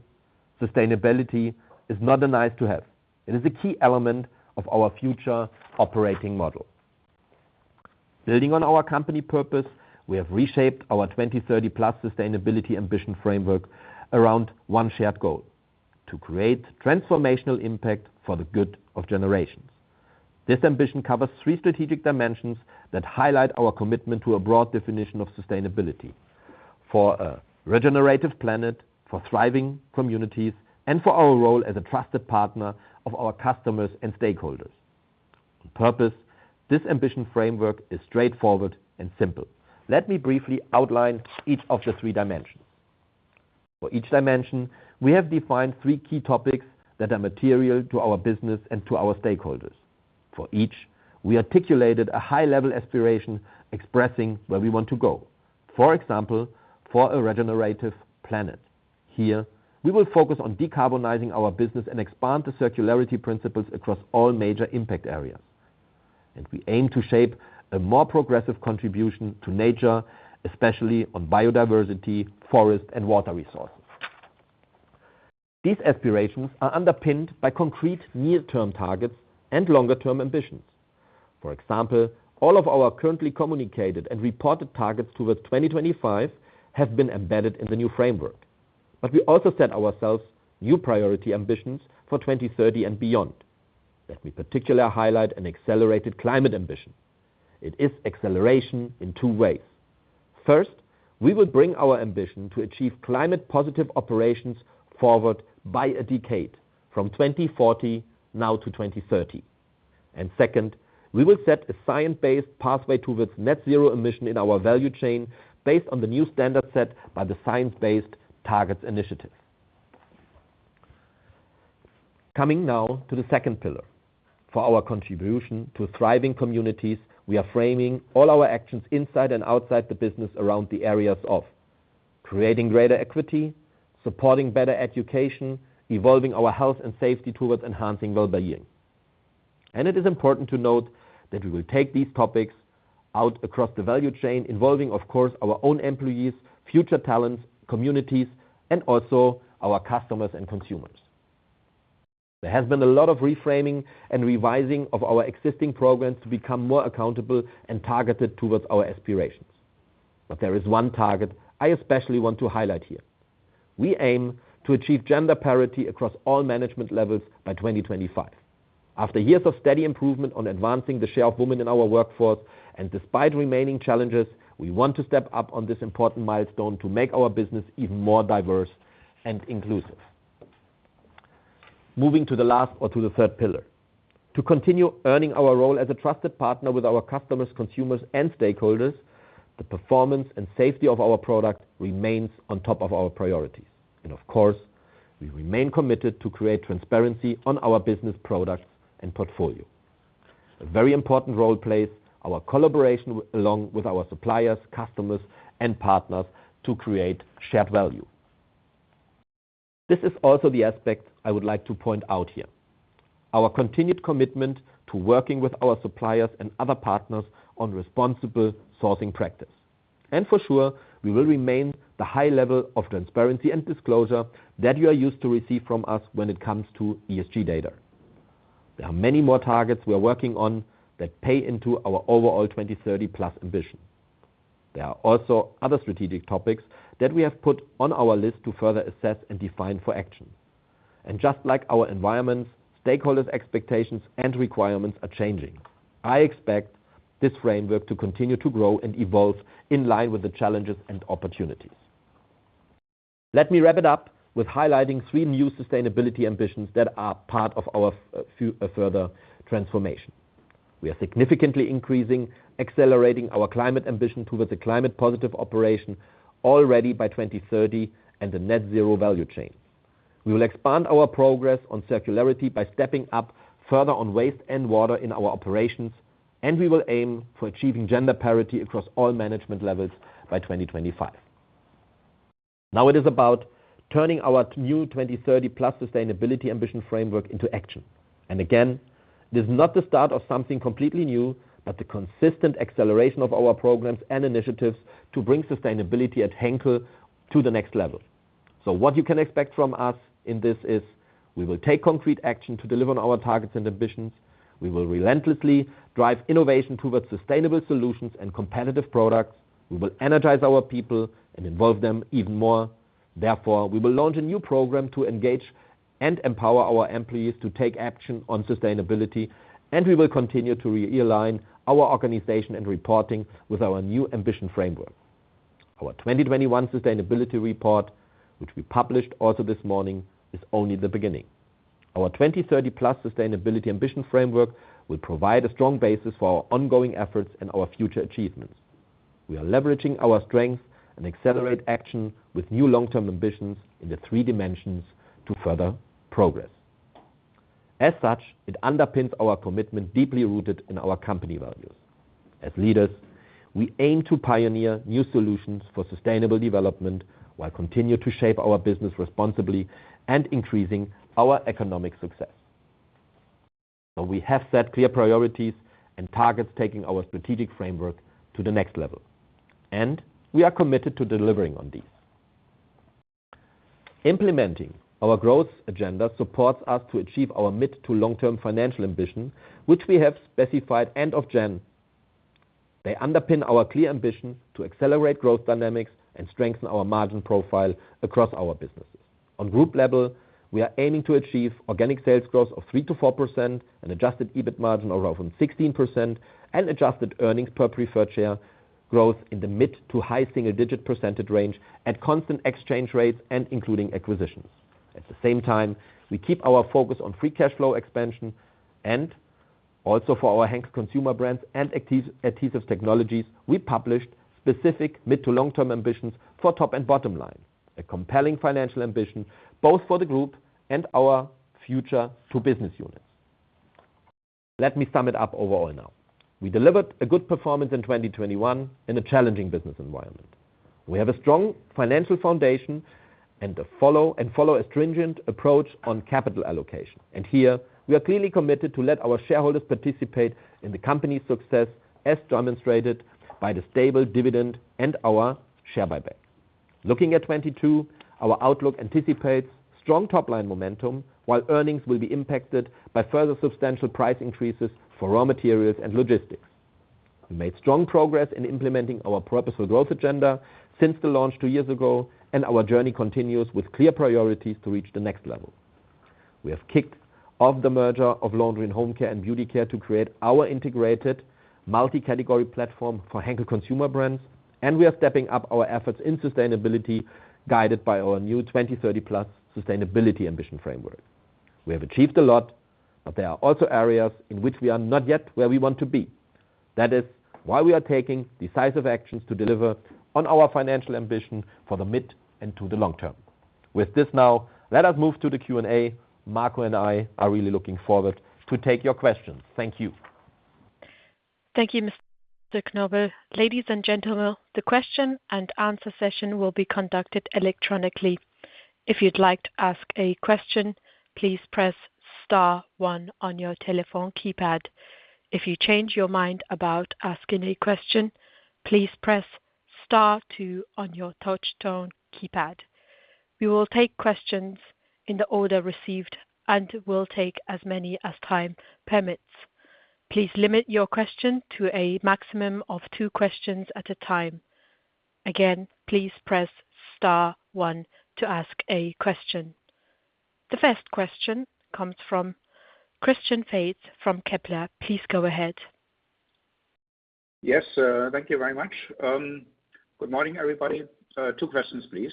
sustainability is not a nice to have. It is a key element of our future operating model. Building on our company purpose, we have reshaped our 2030+ Sustainability Ambition framework around one shared goal to create transformational impact for the good of generations. This ambition covers three strategic dimensions that highlight our commitment to a broad definition of sustainability for a regenerative planet, for thriving communities, and for our role as a trusted partner of our customers and stakeholders. On purpose, this ambition framework is straightforward and simple. Let me briefly outline each of the three dimensions. For each dimension, we have defined three key topics that are material to our business and to our stakeholders. For each, we articulated a high level aspiration expressing where we want to go. For example, for a regenerative planet, here we will focus on decarbonizing our business and expand the circularity principles across all major impact areas. We aim to shape a more progressive contribution to nature, especially on biodiversity, forest, and water resources. These aspirations are underpinned by concrete near-term targets and longer-term ambitions. For example, all of our currently communicated and reported targets towards 2025 have been embedded in the new framework. We also set ourselves new priority ambitions for 2030 and beyond. Let me particularly highlight an accelerated climate ambition. It is acceleration in two ways. First, we will bring our ambition to achieve climate positive operations forward by a decade from 2040 now to 2030. Second, we will set a science-based pathway towards net zero emission in our value chain based on the new standard set by the Science Based Targets initiative. Coming now to the second pillar. For our contribution to thriving communities, we are framing all our actions inside and outside the business around the areas of creating greater equity, supporting better education, evolving our health and safety towards enhancing wellbeing. It is important to note that we will take these topics out across the value chain, involving of course our own employees, future talents, communities, and also our customers and consumers. There has been a lot of reframing and revising of our existing programs to become more accountable and targeted towards our aspirations. There is one target I especially want to highlight here. We aim to achieve gender parity across all management levels by 2025. After years of steady improvement on advancing the share of women in our workforce, and despite remaining challenges, we want to step up on this important milestone to make our business even more diverse and inclusive. Moving to the last or to the third pillar. To continue earning our role as a trusted partner with our customers, consumers, and stakeholders, the performance and safety of our product remains on top of our priorities. Of course, we remain committed to create transparency on our business products and portfolio. A very important role plays our collaboration along with our suppliers, customers, and partners to create shared value. This is also the aspect I would like to point out here. Our continued commitment to working with our suppliers and other partners on responsible sourcing practice. For sure, we will remain the high level of transparency and disclosure that you are used to receive from us when it comes to ESG data. There are many more targets we are working on that pay into our overall 2030+ ambition. There are also other strategic topics that we have put on our list to further assess and define for action. Just like our environment's, stakeholders' expectations and requirements are changing. I expect this framework to continue to grow and evolve in line with the challenges and opportunities. Let me wrap it up with highlighting three new sustainability ambitions that are part of our further transformation. We are significantly increasing, accelerating our climate ambition towards a climate positive operation already by 2030 and a net zero value chain. We will expand our progress on circularity by stepping up further on waste and water in our operations, and we will aim for achieving gender parity across all management levels by 2025. Now it is about turning our new 2030+ Sustainability Ambition framework into action. Again, this is not the start of something completely new, but the consistent acceleration of our programs and initiatives to bring sustainability at Henkel to the next level. What you can expect from us in this is we will take concrete action to deliver on our targets and ambitions. We will relentlessly drive innovation towards sustainable solutions and competitive products. We will energize our people and involve them even more. Therefore, we will launch a new program to engage and empower our employees to take action on sustainability. We will continue to realign our organization and reporting with our new ambition framework. Our 2021 sustainability report, which we published also this morning, is only the beginning. Our 2030+ Sustainability Ambition framework will provide a strong basis for our ongoing efforts and our future achievements. We are leveraging our strengths and accelerate action with new long-term ambitions in the three dimensions to further progress. As such, it underpins our commitment deeply rooted in our company values. As leaders, we aim to pioneer new solutions for sustainable development while continuing to shape our business responsibly and increasing our economic success. We have set clear priorities and targets, taking our strategic framework to the next level, and we are committed to delivering on these. Implementing our growth agenda supports us to achieve our mid to long term financial ambition, which we have specified end of January. They underpin our clear ambition to accelerate growth dynamics and strengthen our margin profile across our businesses. On group level, we are aiming to achieve organic sales growth of 3%-4%, an adjusted EBIT margin of over 16%, and adjusted earnings per preferred share growth in the mid- to high single-digit % range at constant exchange rates and including acquisitions. At the same time, we keep our focus on free cash flow expansion and also for our Henkel Consumer Brands and Adhesive Technologies, we published specific mid- to long-term ambitions for top and bottom line, a compelling financial ambition both for the group and our future two business units. Let me sum it up overall now. We delivered a good performance in 2021 in a challenging business environment. We have a strong financial foundation and follow a stringent approach on capital allocation. Here we are clearly committed to let our shareholders participate in the company's success, as demonstrated by the stable dividend and our share buyback. Looking at 2022, our outlook anticipates strong top line momentum while earnings will be impacted by further substantial price increases for raw materials and logistics. We made strong progress in implementing our Purposeful Growth Agenda since the launch two years ago, and our journey continues with clear priorities to reach the next level. We have kicked off the merger of Laundry & Home Care and Beauty Care to create our integrated multi-category platform for Henkel Consumer Brands. We are stepping up our efforts in sustainability, guided by our new 2030+ Sustainability Ambition framework. We have achieved a lot, but there are also areas in which we are not yet where we want to be. That is why we are taking decisive actions to deliver on our financial ambition for the mid and to the long term. With this now, let us move to the Q&A. Marco and I are really looking forward to take your questions. Thank you. Thank you, Mr. Knobel. Ladies and gentlemen, the question-and-answer session will be conducted electronically. If you'd like to ask a question, please press star 1 on your telephone keypad. If you change your mind about asking a question, please press star 2 on your touchtone keypad. We will take questions in the order received and will take as many as time permits. Please limit your question to a maximum of two questions at a time. Again, please press star 1 to ask a question. The first question comes from Christian Faitz from Kepler. Please go ahead. Yes, thank you very much. Good morning, everybody. Two questions, please.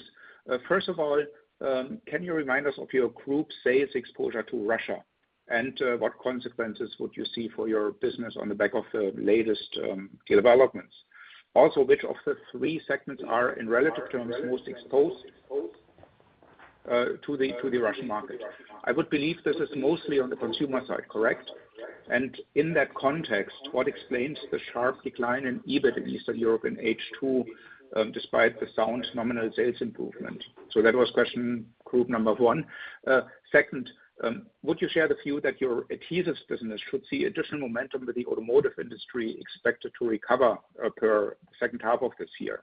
First of all, can you remind us of your group sales exposure to Russia, and what consequences would you see for your business on the back of the latest developments? Also, which of the three segments are, in relative terms, most exposed to the Russian market? I would believe this is mostly on the consumer side, correct? And in that context, what explains the sharp decline in EBIT in Eastern Europe in H2, despite the sound nominal sales improvement? That was question group number one. Second, would you share the view that your adhesives business should see additional momentum with the automotive industry expected to recover in the second half of this year?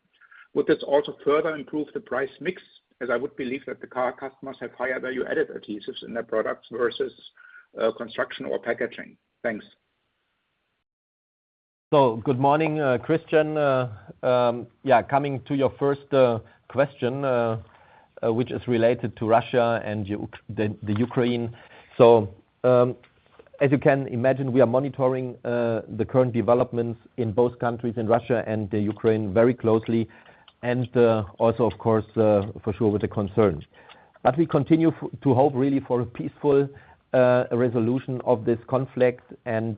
Would this also further improve the price mix, as I would believe that the car customers have higher value-added adhesives in their products versus construction or packaging? Thanks. Good morning, Christian. Coming to your first question, which is related to Russia and the Ukraine. As you can imagine, we are monitoring the current developments in both countries, in Russia and the Ukraine, very closely and also of course for sure with a concern. We continue to hope really for a peaceful resolution of this conflict and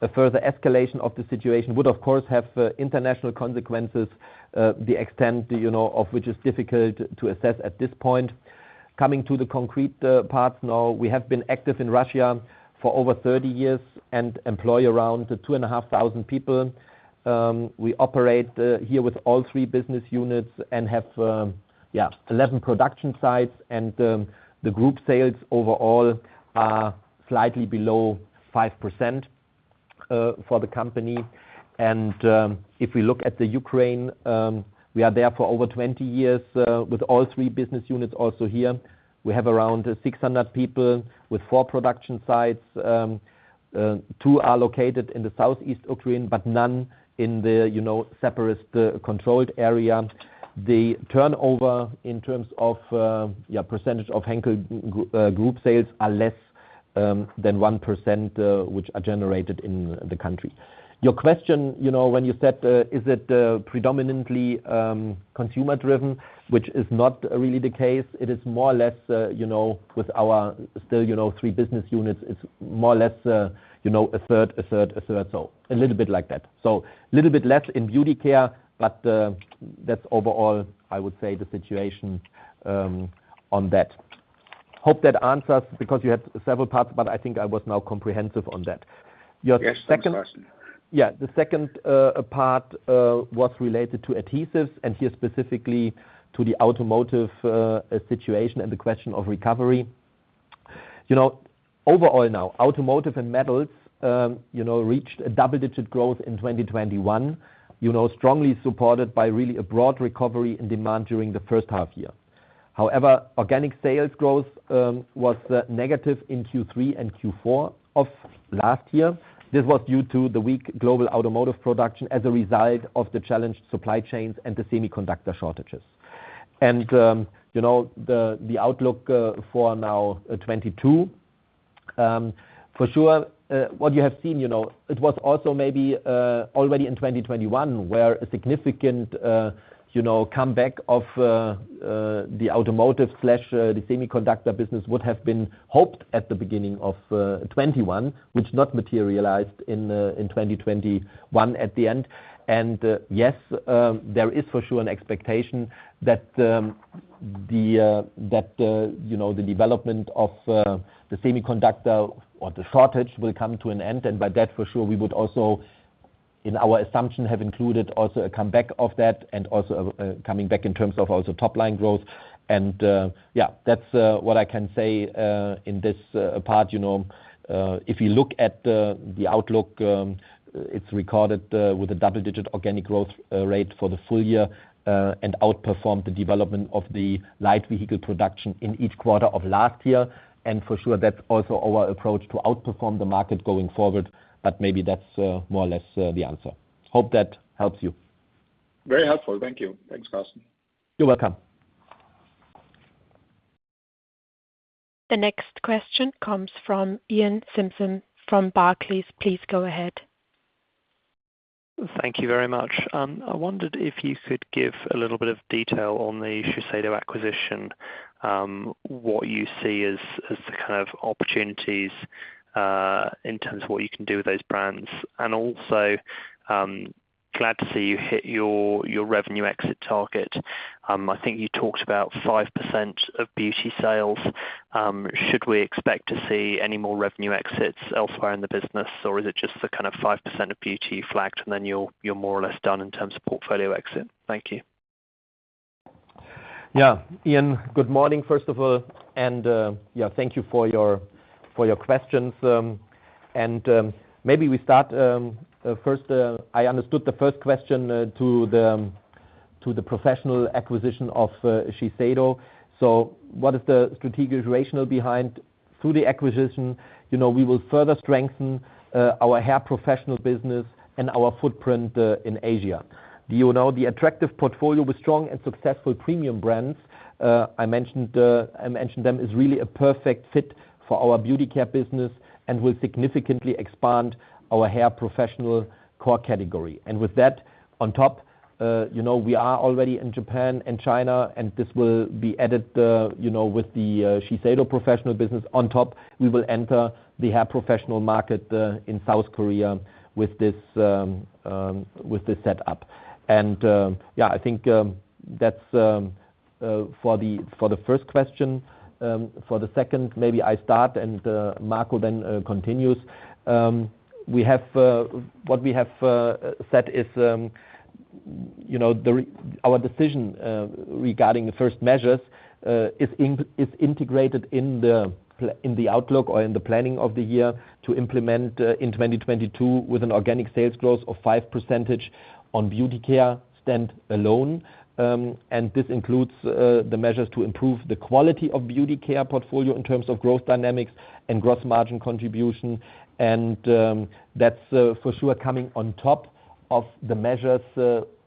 a further escalation of the situation would of course have international consequences. The extent of which is difficult to assess at this point. Coming to the concrete part now. We have been active in Russia for over 30 years and employ around 2,500 people. We operate here with all three business units and have 11 production sites and the group sales overall are slightly below 5% for the company. If we look at Ukraine, we are there for over 20 years with all three business units also here. We have around 600 people with 4 production sites. Two are located in the southeast Ukraine, but none in the separatist controlled area. The turnover in terms of percentage of Henkel group sales are less than 1%, which are generated in the country. Your question, when you said, is it predominantly consumer driven, which is not really the case. It is more or less, with our still three business units, it's more or less, a third, so a little bit like that. So a little bit less in Beauty Care, but that's overall, I would say the situation on that. Hope that answers because you had several parts, but I think I was now comprehensive on that. Your second- Yes. Thanks, Carsten. Yeah. The second part was related to adhesives and here specifically to the automotive situation and the question of recovery. Overall now, automotive and metals reached a double-digit growth in 2021. Strongly supported by really a broad recovery in demand during the first half year. However, organic sales growth was negative in Q3 and Q4 of last year. This was due to the weak global automotive production as a result of the challenged supply chains and the semiconductor shortages. The outlook for now, 2022, for sure, what you have seen, it was also maybe already in 2021 where a significant comeback of the automotive slash the semiconductor business would have been hoped at the beginning of 2021, which not materialized in 2021 at the end. Yes, there is for sure an expectation that the development of the semiconductor or the shortage will come to an end. By that, for sure, we would also, in our assumption, have included also a comeback of that and also coming back in terms of also top-line growth and yeah, that's what I can say in this part. If you look at the outlook, it's recorded with a double-digit organic growth rate for the full year and outperformed the development of the light vehicle production in each quarter of last year. For sure, that's also our approach to outperform the market going forward. Maybe that's more or less the answer. Hope that helps you. Very helpful. Thank you. Thanks, Carsten. You're welcome. The next question comes from Iain Simpson from Barclays. Please go ahead. Thank you very much. I wondered if you could give a little bit of detail on the Shiseido acquisition, what you see as the kind of opportunities in terms of what you can do with those brands. Also, glad to see you hit your revenue exit target. I think you talked about 5% of beauty sales. Should we expect to see any more revenue exits elsewhere in the business, or is it just the kind of 5% of beauty you flagged, and then you're more or less done in terms of portfolio exit? Thank you. Yeah. Ian, good morning, first of all, yeah, thank you for your questions. Maybe we start first. I understood the first question to the acquisition of Shiseido Professional. What is the strategic rationale behind? Through the acquisition, we will further strengthen our hair professional business and our footprint in Asia. The attractive portfolio with strong and successful premium brands, I mentioned them, is really a perfect fit for our Beauty Care business and will significantly expand our hair professional core category. With that on top, we are already in Japan and China, and this will be added, with the Shiseido Professional business. On top, we will enter the hair professional market in South Korea with this set up. For the second, maybe I start and Marco then continues. What we have set is our decision regarding the first measures is integrated in the outlook or in the planning of the year to implement in 2022 with an organic sales growth of 5% on Beauty Care standalone. This includes the measures to improve the quality of Beauty Care portfolio in terms of growth dynamics and gross margin contribution. That's for sure coming on top of the measures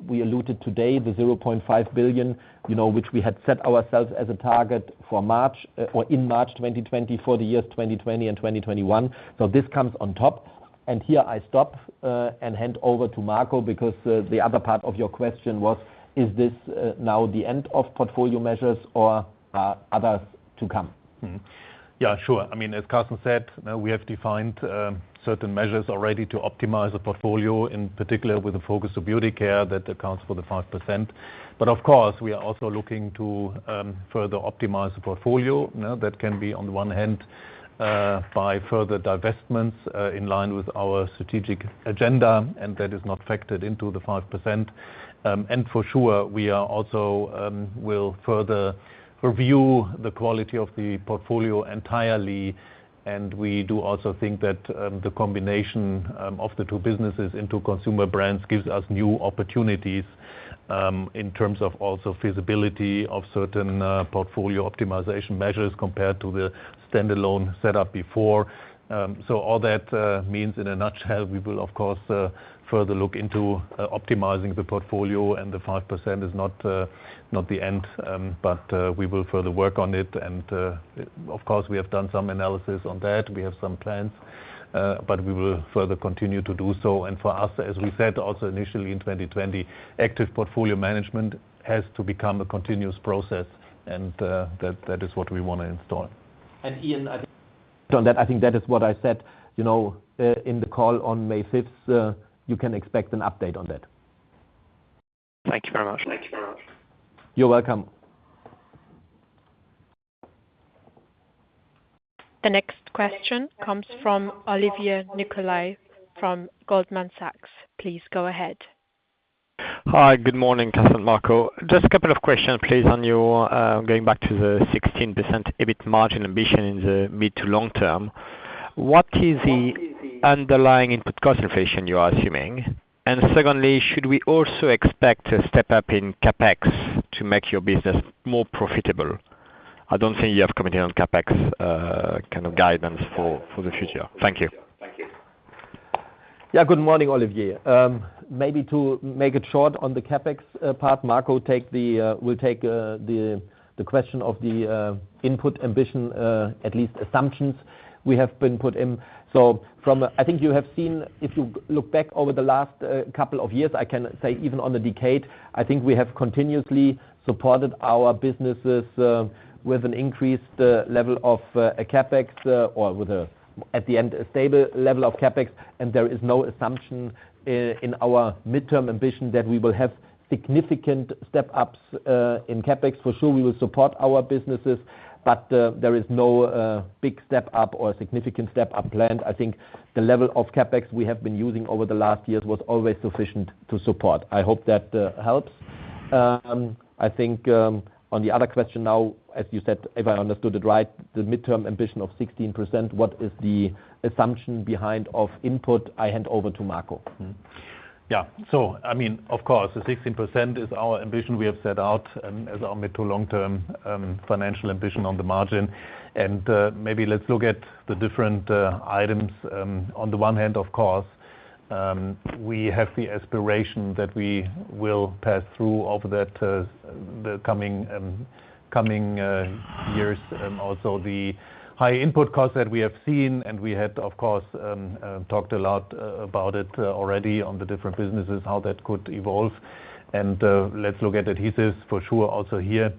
we alluded to today, 0.5 billion, which we had set ourselves as a target for March 2020, for the years 2020 and 2021. This comes on top. Here I stop and hand over to Marco because the other part of your question was, is this now the end of portfolio measures or are others to come? Yeah, sure. I mean, as Carsten said, we have defined certain measures already to optimize the portfolio, in particular with the focus of Beauty Care that accounts for the 5%. Of course, we are also looking to further optimize the portfolio. Now, that can be on the one hand by further divestments in line with our strategic agenda, and that is not factored into the 5%. For sure, we are also will further review the quality of the portfolio entirely. We do also think that the combination of the two businesses into Consumer Brands gives us new opportunities in terms of also feasibility of certain portfolio optimization measures compared to the standalone set up before. All that means in a nutshell, we will of course further look into optimizing the portfolio and the 5% is not the end. We will further work on it. Of course we have done some analysis on that. We have some plans, but we will further continue to do so. For us, as we said also initially in 2020, active portfolio management has to become a continuous process and that is what we wanna install. Iain, I think on that, I think that is what I said in the call on May fifth, you can expect an update on that. Thank you very much. You're welcome. The next question comes from Olivier Nicolai from Goldman Sachs. Please go ahead. Hi. Good morning, Carsten and Marco. Just a couple of questions please on your going back to the 16% EBIT margin ambition in the mid to long term. What is the underlying input cost inflation you are assuming? Secondly, should we also expect a step up in CapEx to make your business more profitable? I don't think you have commented on CapEx kind of guidance for the future. Thank you. Yeah. Good morning, Olivier. Maybe to make it short on the CapEx part, Marco will take the question of the midterm ambition, at least the assumptions we have put in. I think you have seen, if you look back over the last couple of years, I can say even over the decade, we have continuously supported our businesses with an increased level of CapEx or with, at the end, a stable level of CapEx. There is no assumption in our midterm ambition that we will have significant step ups in CapEx. For sure we will support our businesses, but there is no big step up or a significant step up planned. I think the level of CapEx we have been using over the last years was always sufficient to support. I hope that helps. I think on the other question now, as you said, if I understood it right, the midterm ambition of 16%, what is the assumption behind the input I hand over to Marco. Yeah. I mean, of course the 16% is our ambition we have set out as our mid- to long-term financial ambition on the margin. Maybe let's look at the different items. On the one hand, of course, we have the aspiration that we will pass through over the coming years. Also the high input costs that we have seen, and we had of course talked a lot about it already on the different businesses, how that could evolve. Let's look at adhesives for sure. Also here,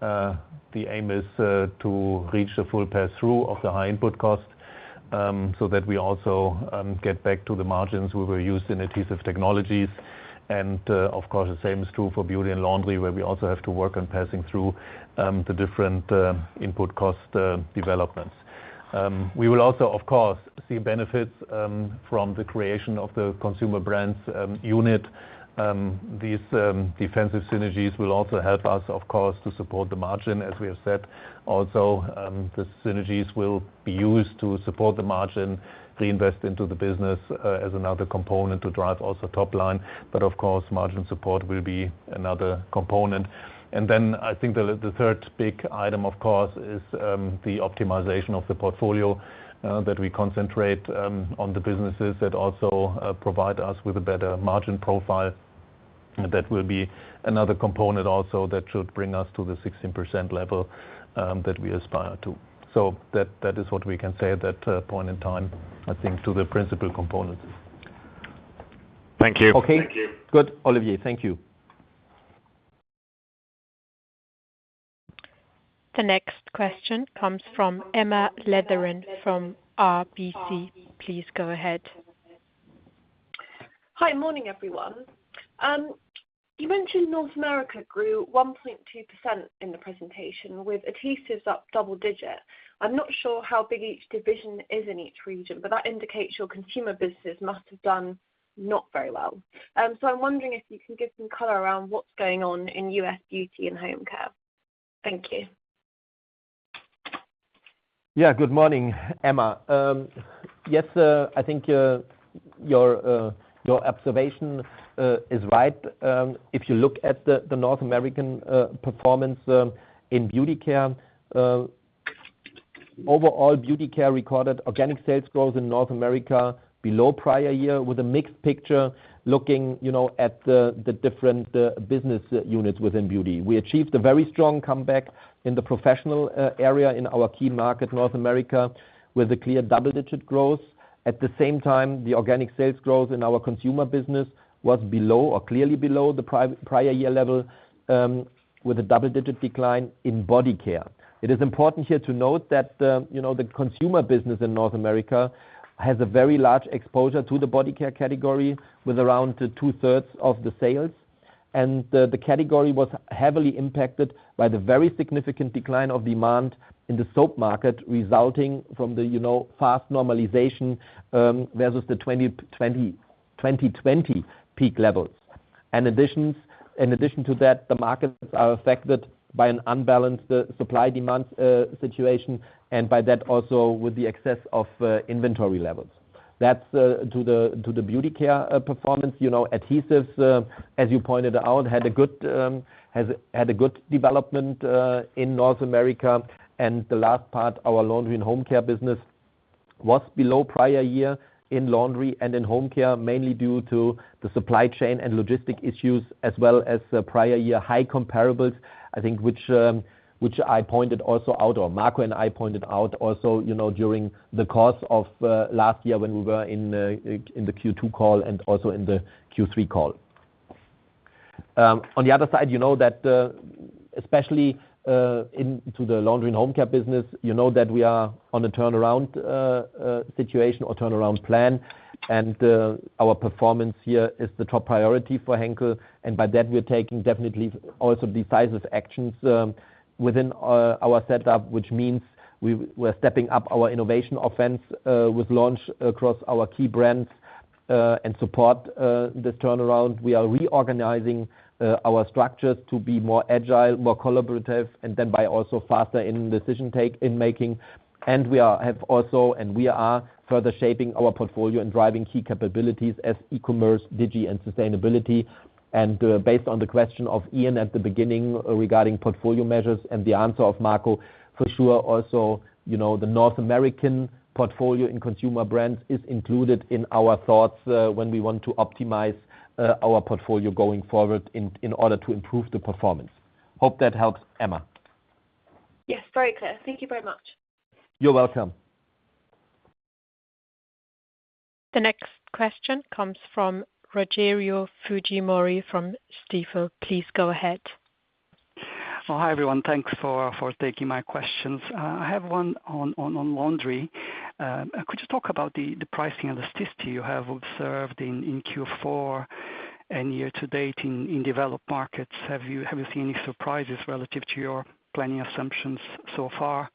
the aim is to reach the full pass through of the high input costs, so that we also get back to the margins we were used to in Adhesive Technologies. Of course the same is true for beauty and laundry, where we also have to work on passing through the different input cost developments. We will also, of course, see benefits from the creation of the consumer brands unit. These defensive synergies will also help us, of course, to support the margin, as we have said. Also, the synergies will be used to support the margin, reinvest into the business as another component to drive also top line. But of course, margin support will be another component. I think the third big item of course is the optimization of the portfolio that we concentrate on the businesses that also provide us with a better margin profile. That will be another component also that should bring us to the 16% level that we aspire to. That is what we can say at that point in time, I think, to the principal components. Thank you. Okay. Thank you. Good. Olivier, thank you. The next question comes from Emma Letheren from RBC. Please go ahead. Hi. Morning everyone. You mentioned North America grew 1.2% in the presentation with adhesives up double-digit. I'm not sure how big each division is in each region, but that indicates your consumer businesses must have done not very well. I'm wondering if you can give some color around what's going on in U.S. beauty and home care. Thank you. Yeah. Good morning, Emma. Yes, I think your observation is right. If you look at the North American performance in Beauty Care, overall Beauty Care recorded organic sales growth in North America below prior year with a mixed picture looking at the different business units within beauty. We achieved a very strong comeback in the professional area in our key market, North America, with a clear double-digit growth. At the same time, the organic sales growth in our consumer business was below or clearly below the prior year level, with a double-digit decline in body care. It is important here to note that the consumer business in North America has a very large exposure to the body care category with around two-thirds of the sales. The category was heavily impacted by the very significant decline of demand in the soap market resulting from the fast normalization versus the 2020 peak levels. In addition to that, the markets are affected by an unbalanced supply demand situation and by that also with the excess of inventory levels. That's to the Beauty Care performance. Adhesives as you pointed out had a good development in North America. The last part, our Laundry & Home Care business was below prior year in laundry and in home care, mainly due to the supply chain and logistic issues as well as the prior year high comparables, I think, which I pointed also out or Marco and I pointed out also during the course of last year when we were in the Q2 call and also in the Q3 call. On the other side, especially into the Laundry & Home Care business that we are on a turnaround situation or turnaround plan. Our performance here is the top priority for Henkel. By that, we're taking definitely also decisive actions within our setup, which means we're stepping up our innovation offense with launches across our key brands and support this turnaround. We are reorganizing our structures to be more agile, more collaborative, and to be also faster in decision-making. We are further shaping our portfolio and driving key capabilities as e-commerce, digital, and sustainability. Based on the question of Ian at the beginning regarding portfolio measures and the answer of Marco, for sure also the North American portfolio and consumer brands is included in our thoughts when we want to optimize our portfolio going forward in order to improve the performance. Hope that helps, Emma. Yes. Very clear. Thank you very much. You're welcome. The next question comes from Rogerio Fujimori from Stifel. Please go ahead. Oh, hi, everyone. Thanks for taking my questions. I have one on laundry. Could you talk about the pricing elasticity you have observed in Q4 and year to date in developed markets? Have you seen any surprises relative to your planning assumptions so far?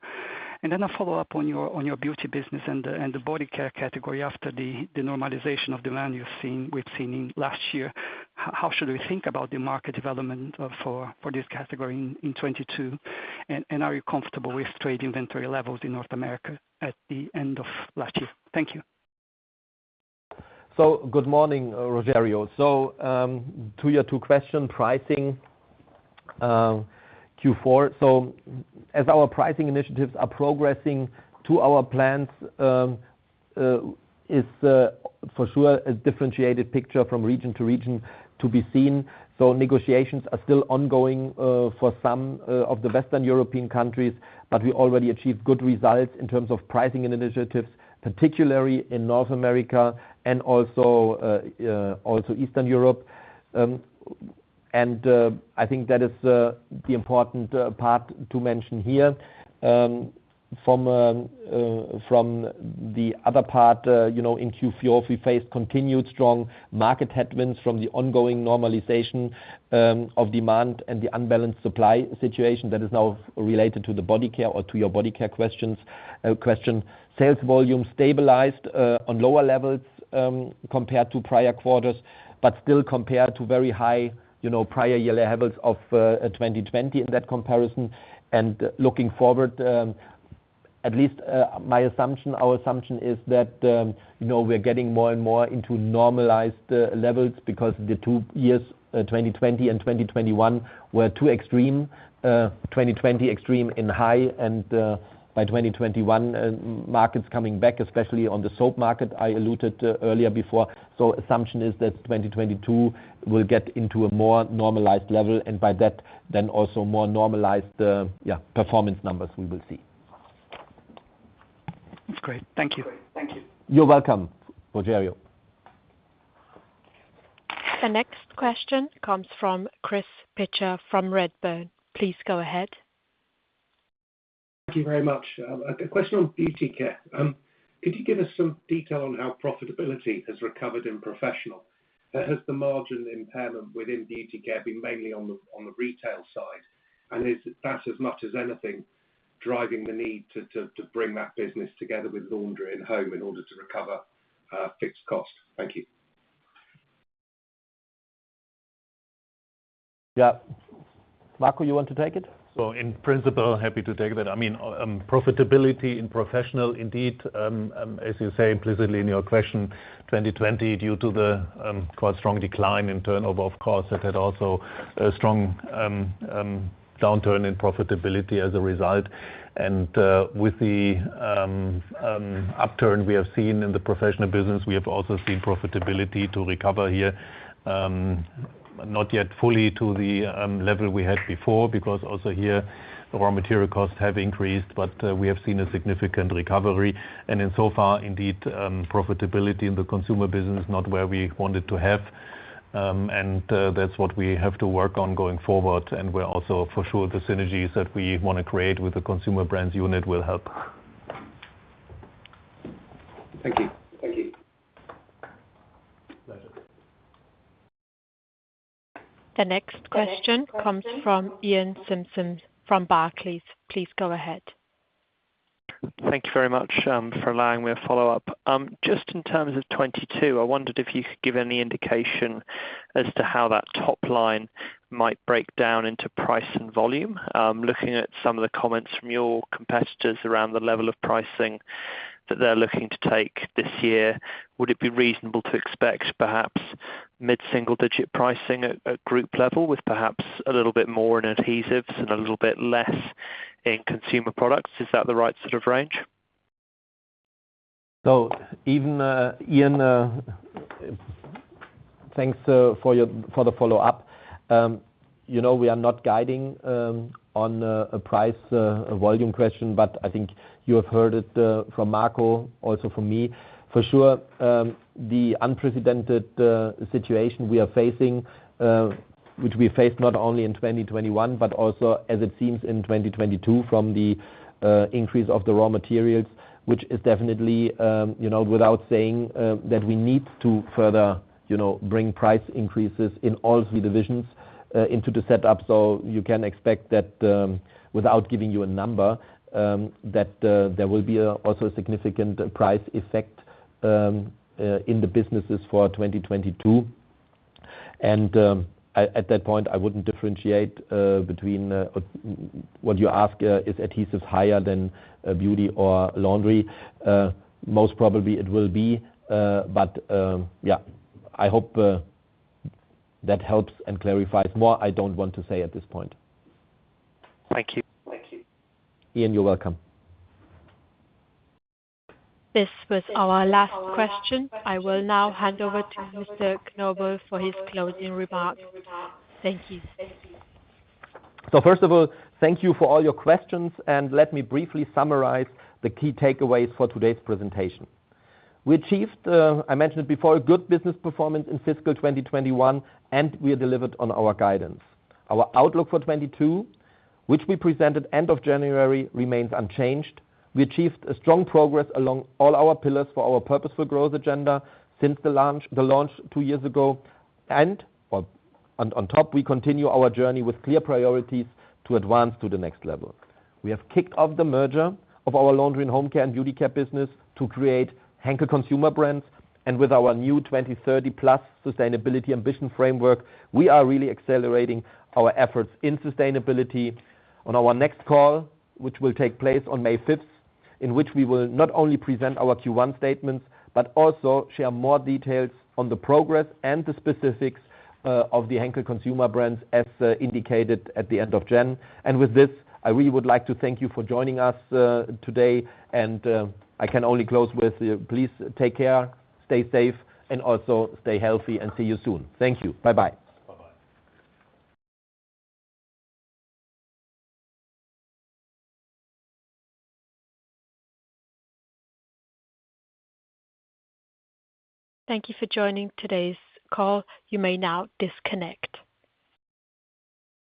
A follow-up on your beauty business and the body care category. After the normalization of demand you've seen, we've seen in last year, how should we think about the market development for this category in 2022? Are you comfortable with trade inventory levels in North America at the end of last year? Thank you. Good morning, Rogerio. To your two questions, pricing in Q4. As our pricing initiatives are progressing according to our plans, it is for sure a differentiated picture from region to region to be seen. Negotiations are still ongoing for some of the Western European countries, but we already achieved good results in terms of pricing initiatives, particularly in North America and also Eastern Europe. I think that is the important part to mention here. From the other part in Q4, we faced continued strong market headwinds from the ongoing normalization of demand and the unbalanced supply situation that is now related to the Beauty Care or to your Beauty Care question. Sales volume stabilized on lower levels compared to prior quarters but still compared to very high prior year levels of 2020 in that comparison. Looking forward, at least my assumption, our assumption is that we're getting more and more into normalized levels because the two years 2020 and 2021 were too extreme. 2020 extreme and high, and by 2021 markets coming back, especially on the soap market I alluded to earlier before. Assumption is that 2022 will get into a more normalized level, and by that then also more normalized yeah, performance numbers we will see. That's great. Thank you. You're welcome, Rogerio. The next question comes from Chris Pitcher from Redburn. Please go ahead. Thank you very much. A question on Beauty Care. Could you give us some detail on how profitability has recovered in professional? Has the margin impairment within Beauty Care been mainly on the retail side? Is that as much as anything driving the need to bring that business together with laundry and home in order to recover fixed cost? Thank you. Yeah. Marco, you want to take it? In principle, happy to take that. I mean, profitability in professional indeed, as you say implicitly in your question, 2020 due to the quite strong decline in turnover, of course, that had also a strong downturn in profitability as a result. With the upturn we have seen in the professional business, we have also seen profitability to recover here, not yet fully to the level we had before, because also here the raw material costs have increased, but we have seen a significant recovery. Insofar indeed, profitability in the consumer business is not where we wanted to have, and that's what we have to work on going forward. We're also for sure the synergies that we wanna create with the consumer brands unit will help. Thank you. Thank you. Pleasure. The next question comes from Iain Simpson from Barclays. Please go ahead. Thank you very much for allowing me to follow up. Just in terms of 2022, I wondered if you could give any indication as to how that top line might break down into price and volume. Looking at some of the comments from your competitors around the level of pricing that they're looking to take this year, would it be reasonable to expect perhaps mid-single digit pricing at group level with perhaps a little bit more in adhesives and a little bit less in consumer products? Is that the right sort of range? Even Ian, thanks for the follow-up. We are not guiding on a price volume question, but I think you have heard it from Marco, also from me. For sure, the unprecedented situation we are facing, which we face not only in 2021, but also as it seems in 2022 from the increase of the raw materials, which is definitely without saying, that we need to further bring price increases in all three divisions into the setup. You can expect that, without giving you a number, that there will be also a significant price effect in the businesses for 2022. At that point, I wouldn't differentiate between what you ask is adhesives higher than beauty or laundry. Most probably it will be. Yeah, I hope that helps and clarifies more. I don't want to say at this point. Thank you. Iain, you're welcome. This was our last question. I will now hand over to Mr. Knobel for his closing remarks. Thank you. First of all, thank you for all your questions, and let me briefly summarize the key takeaways for today's presentation. We achieved, I mentioned it before, a good business performance in fiscal 2021, and we delivered on our guidance. Our outlook for 2022, which we presented end of January, remains unchanged. We achieved a strong progress along all our pillars for our Purposeful Growth Agenda since the launch two years ago. On top, we continue our journey with clear priorities to advance to the next level. We have kicked off the merger of our Laundry & Home Care and Beauty Care business to create Henkel Consumer Brands. With our new 2030+ Sustainability Ambition framework, we are really accelerating our efforts in sustainability. On our next call, which will take place on May fifth, in which we will not only present our Q1 statements, but also share more details on the progress and the specifics of the Henkel Consumer Brands as indicated at the end of January. With this, I really would like to thank you for joining us today. I can only close with please take care, stay safe, and also stay healthy and see you soon. Thank you. Bye-bye. Thank you for joining today's call. You may now disconnect.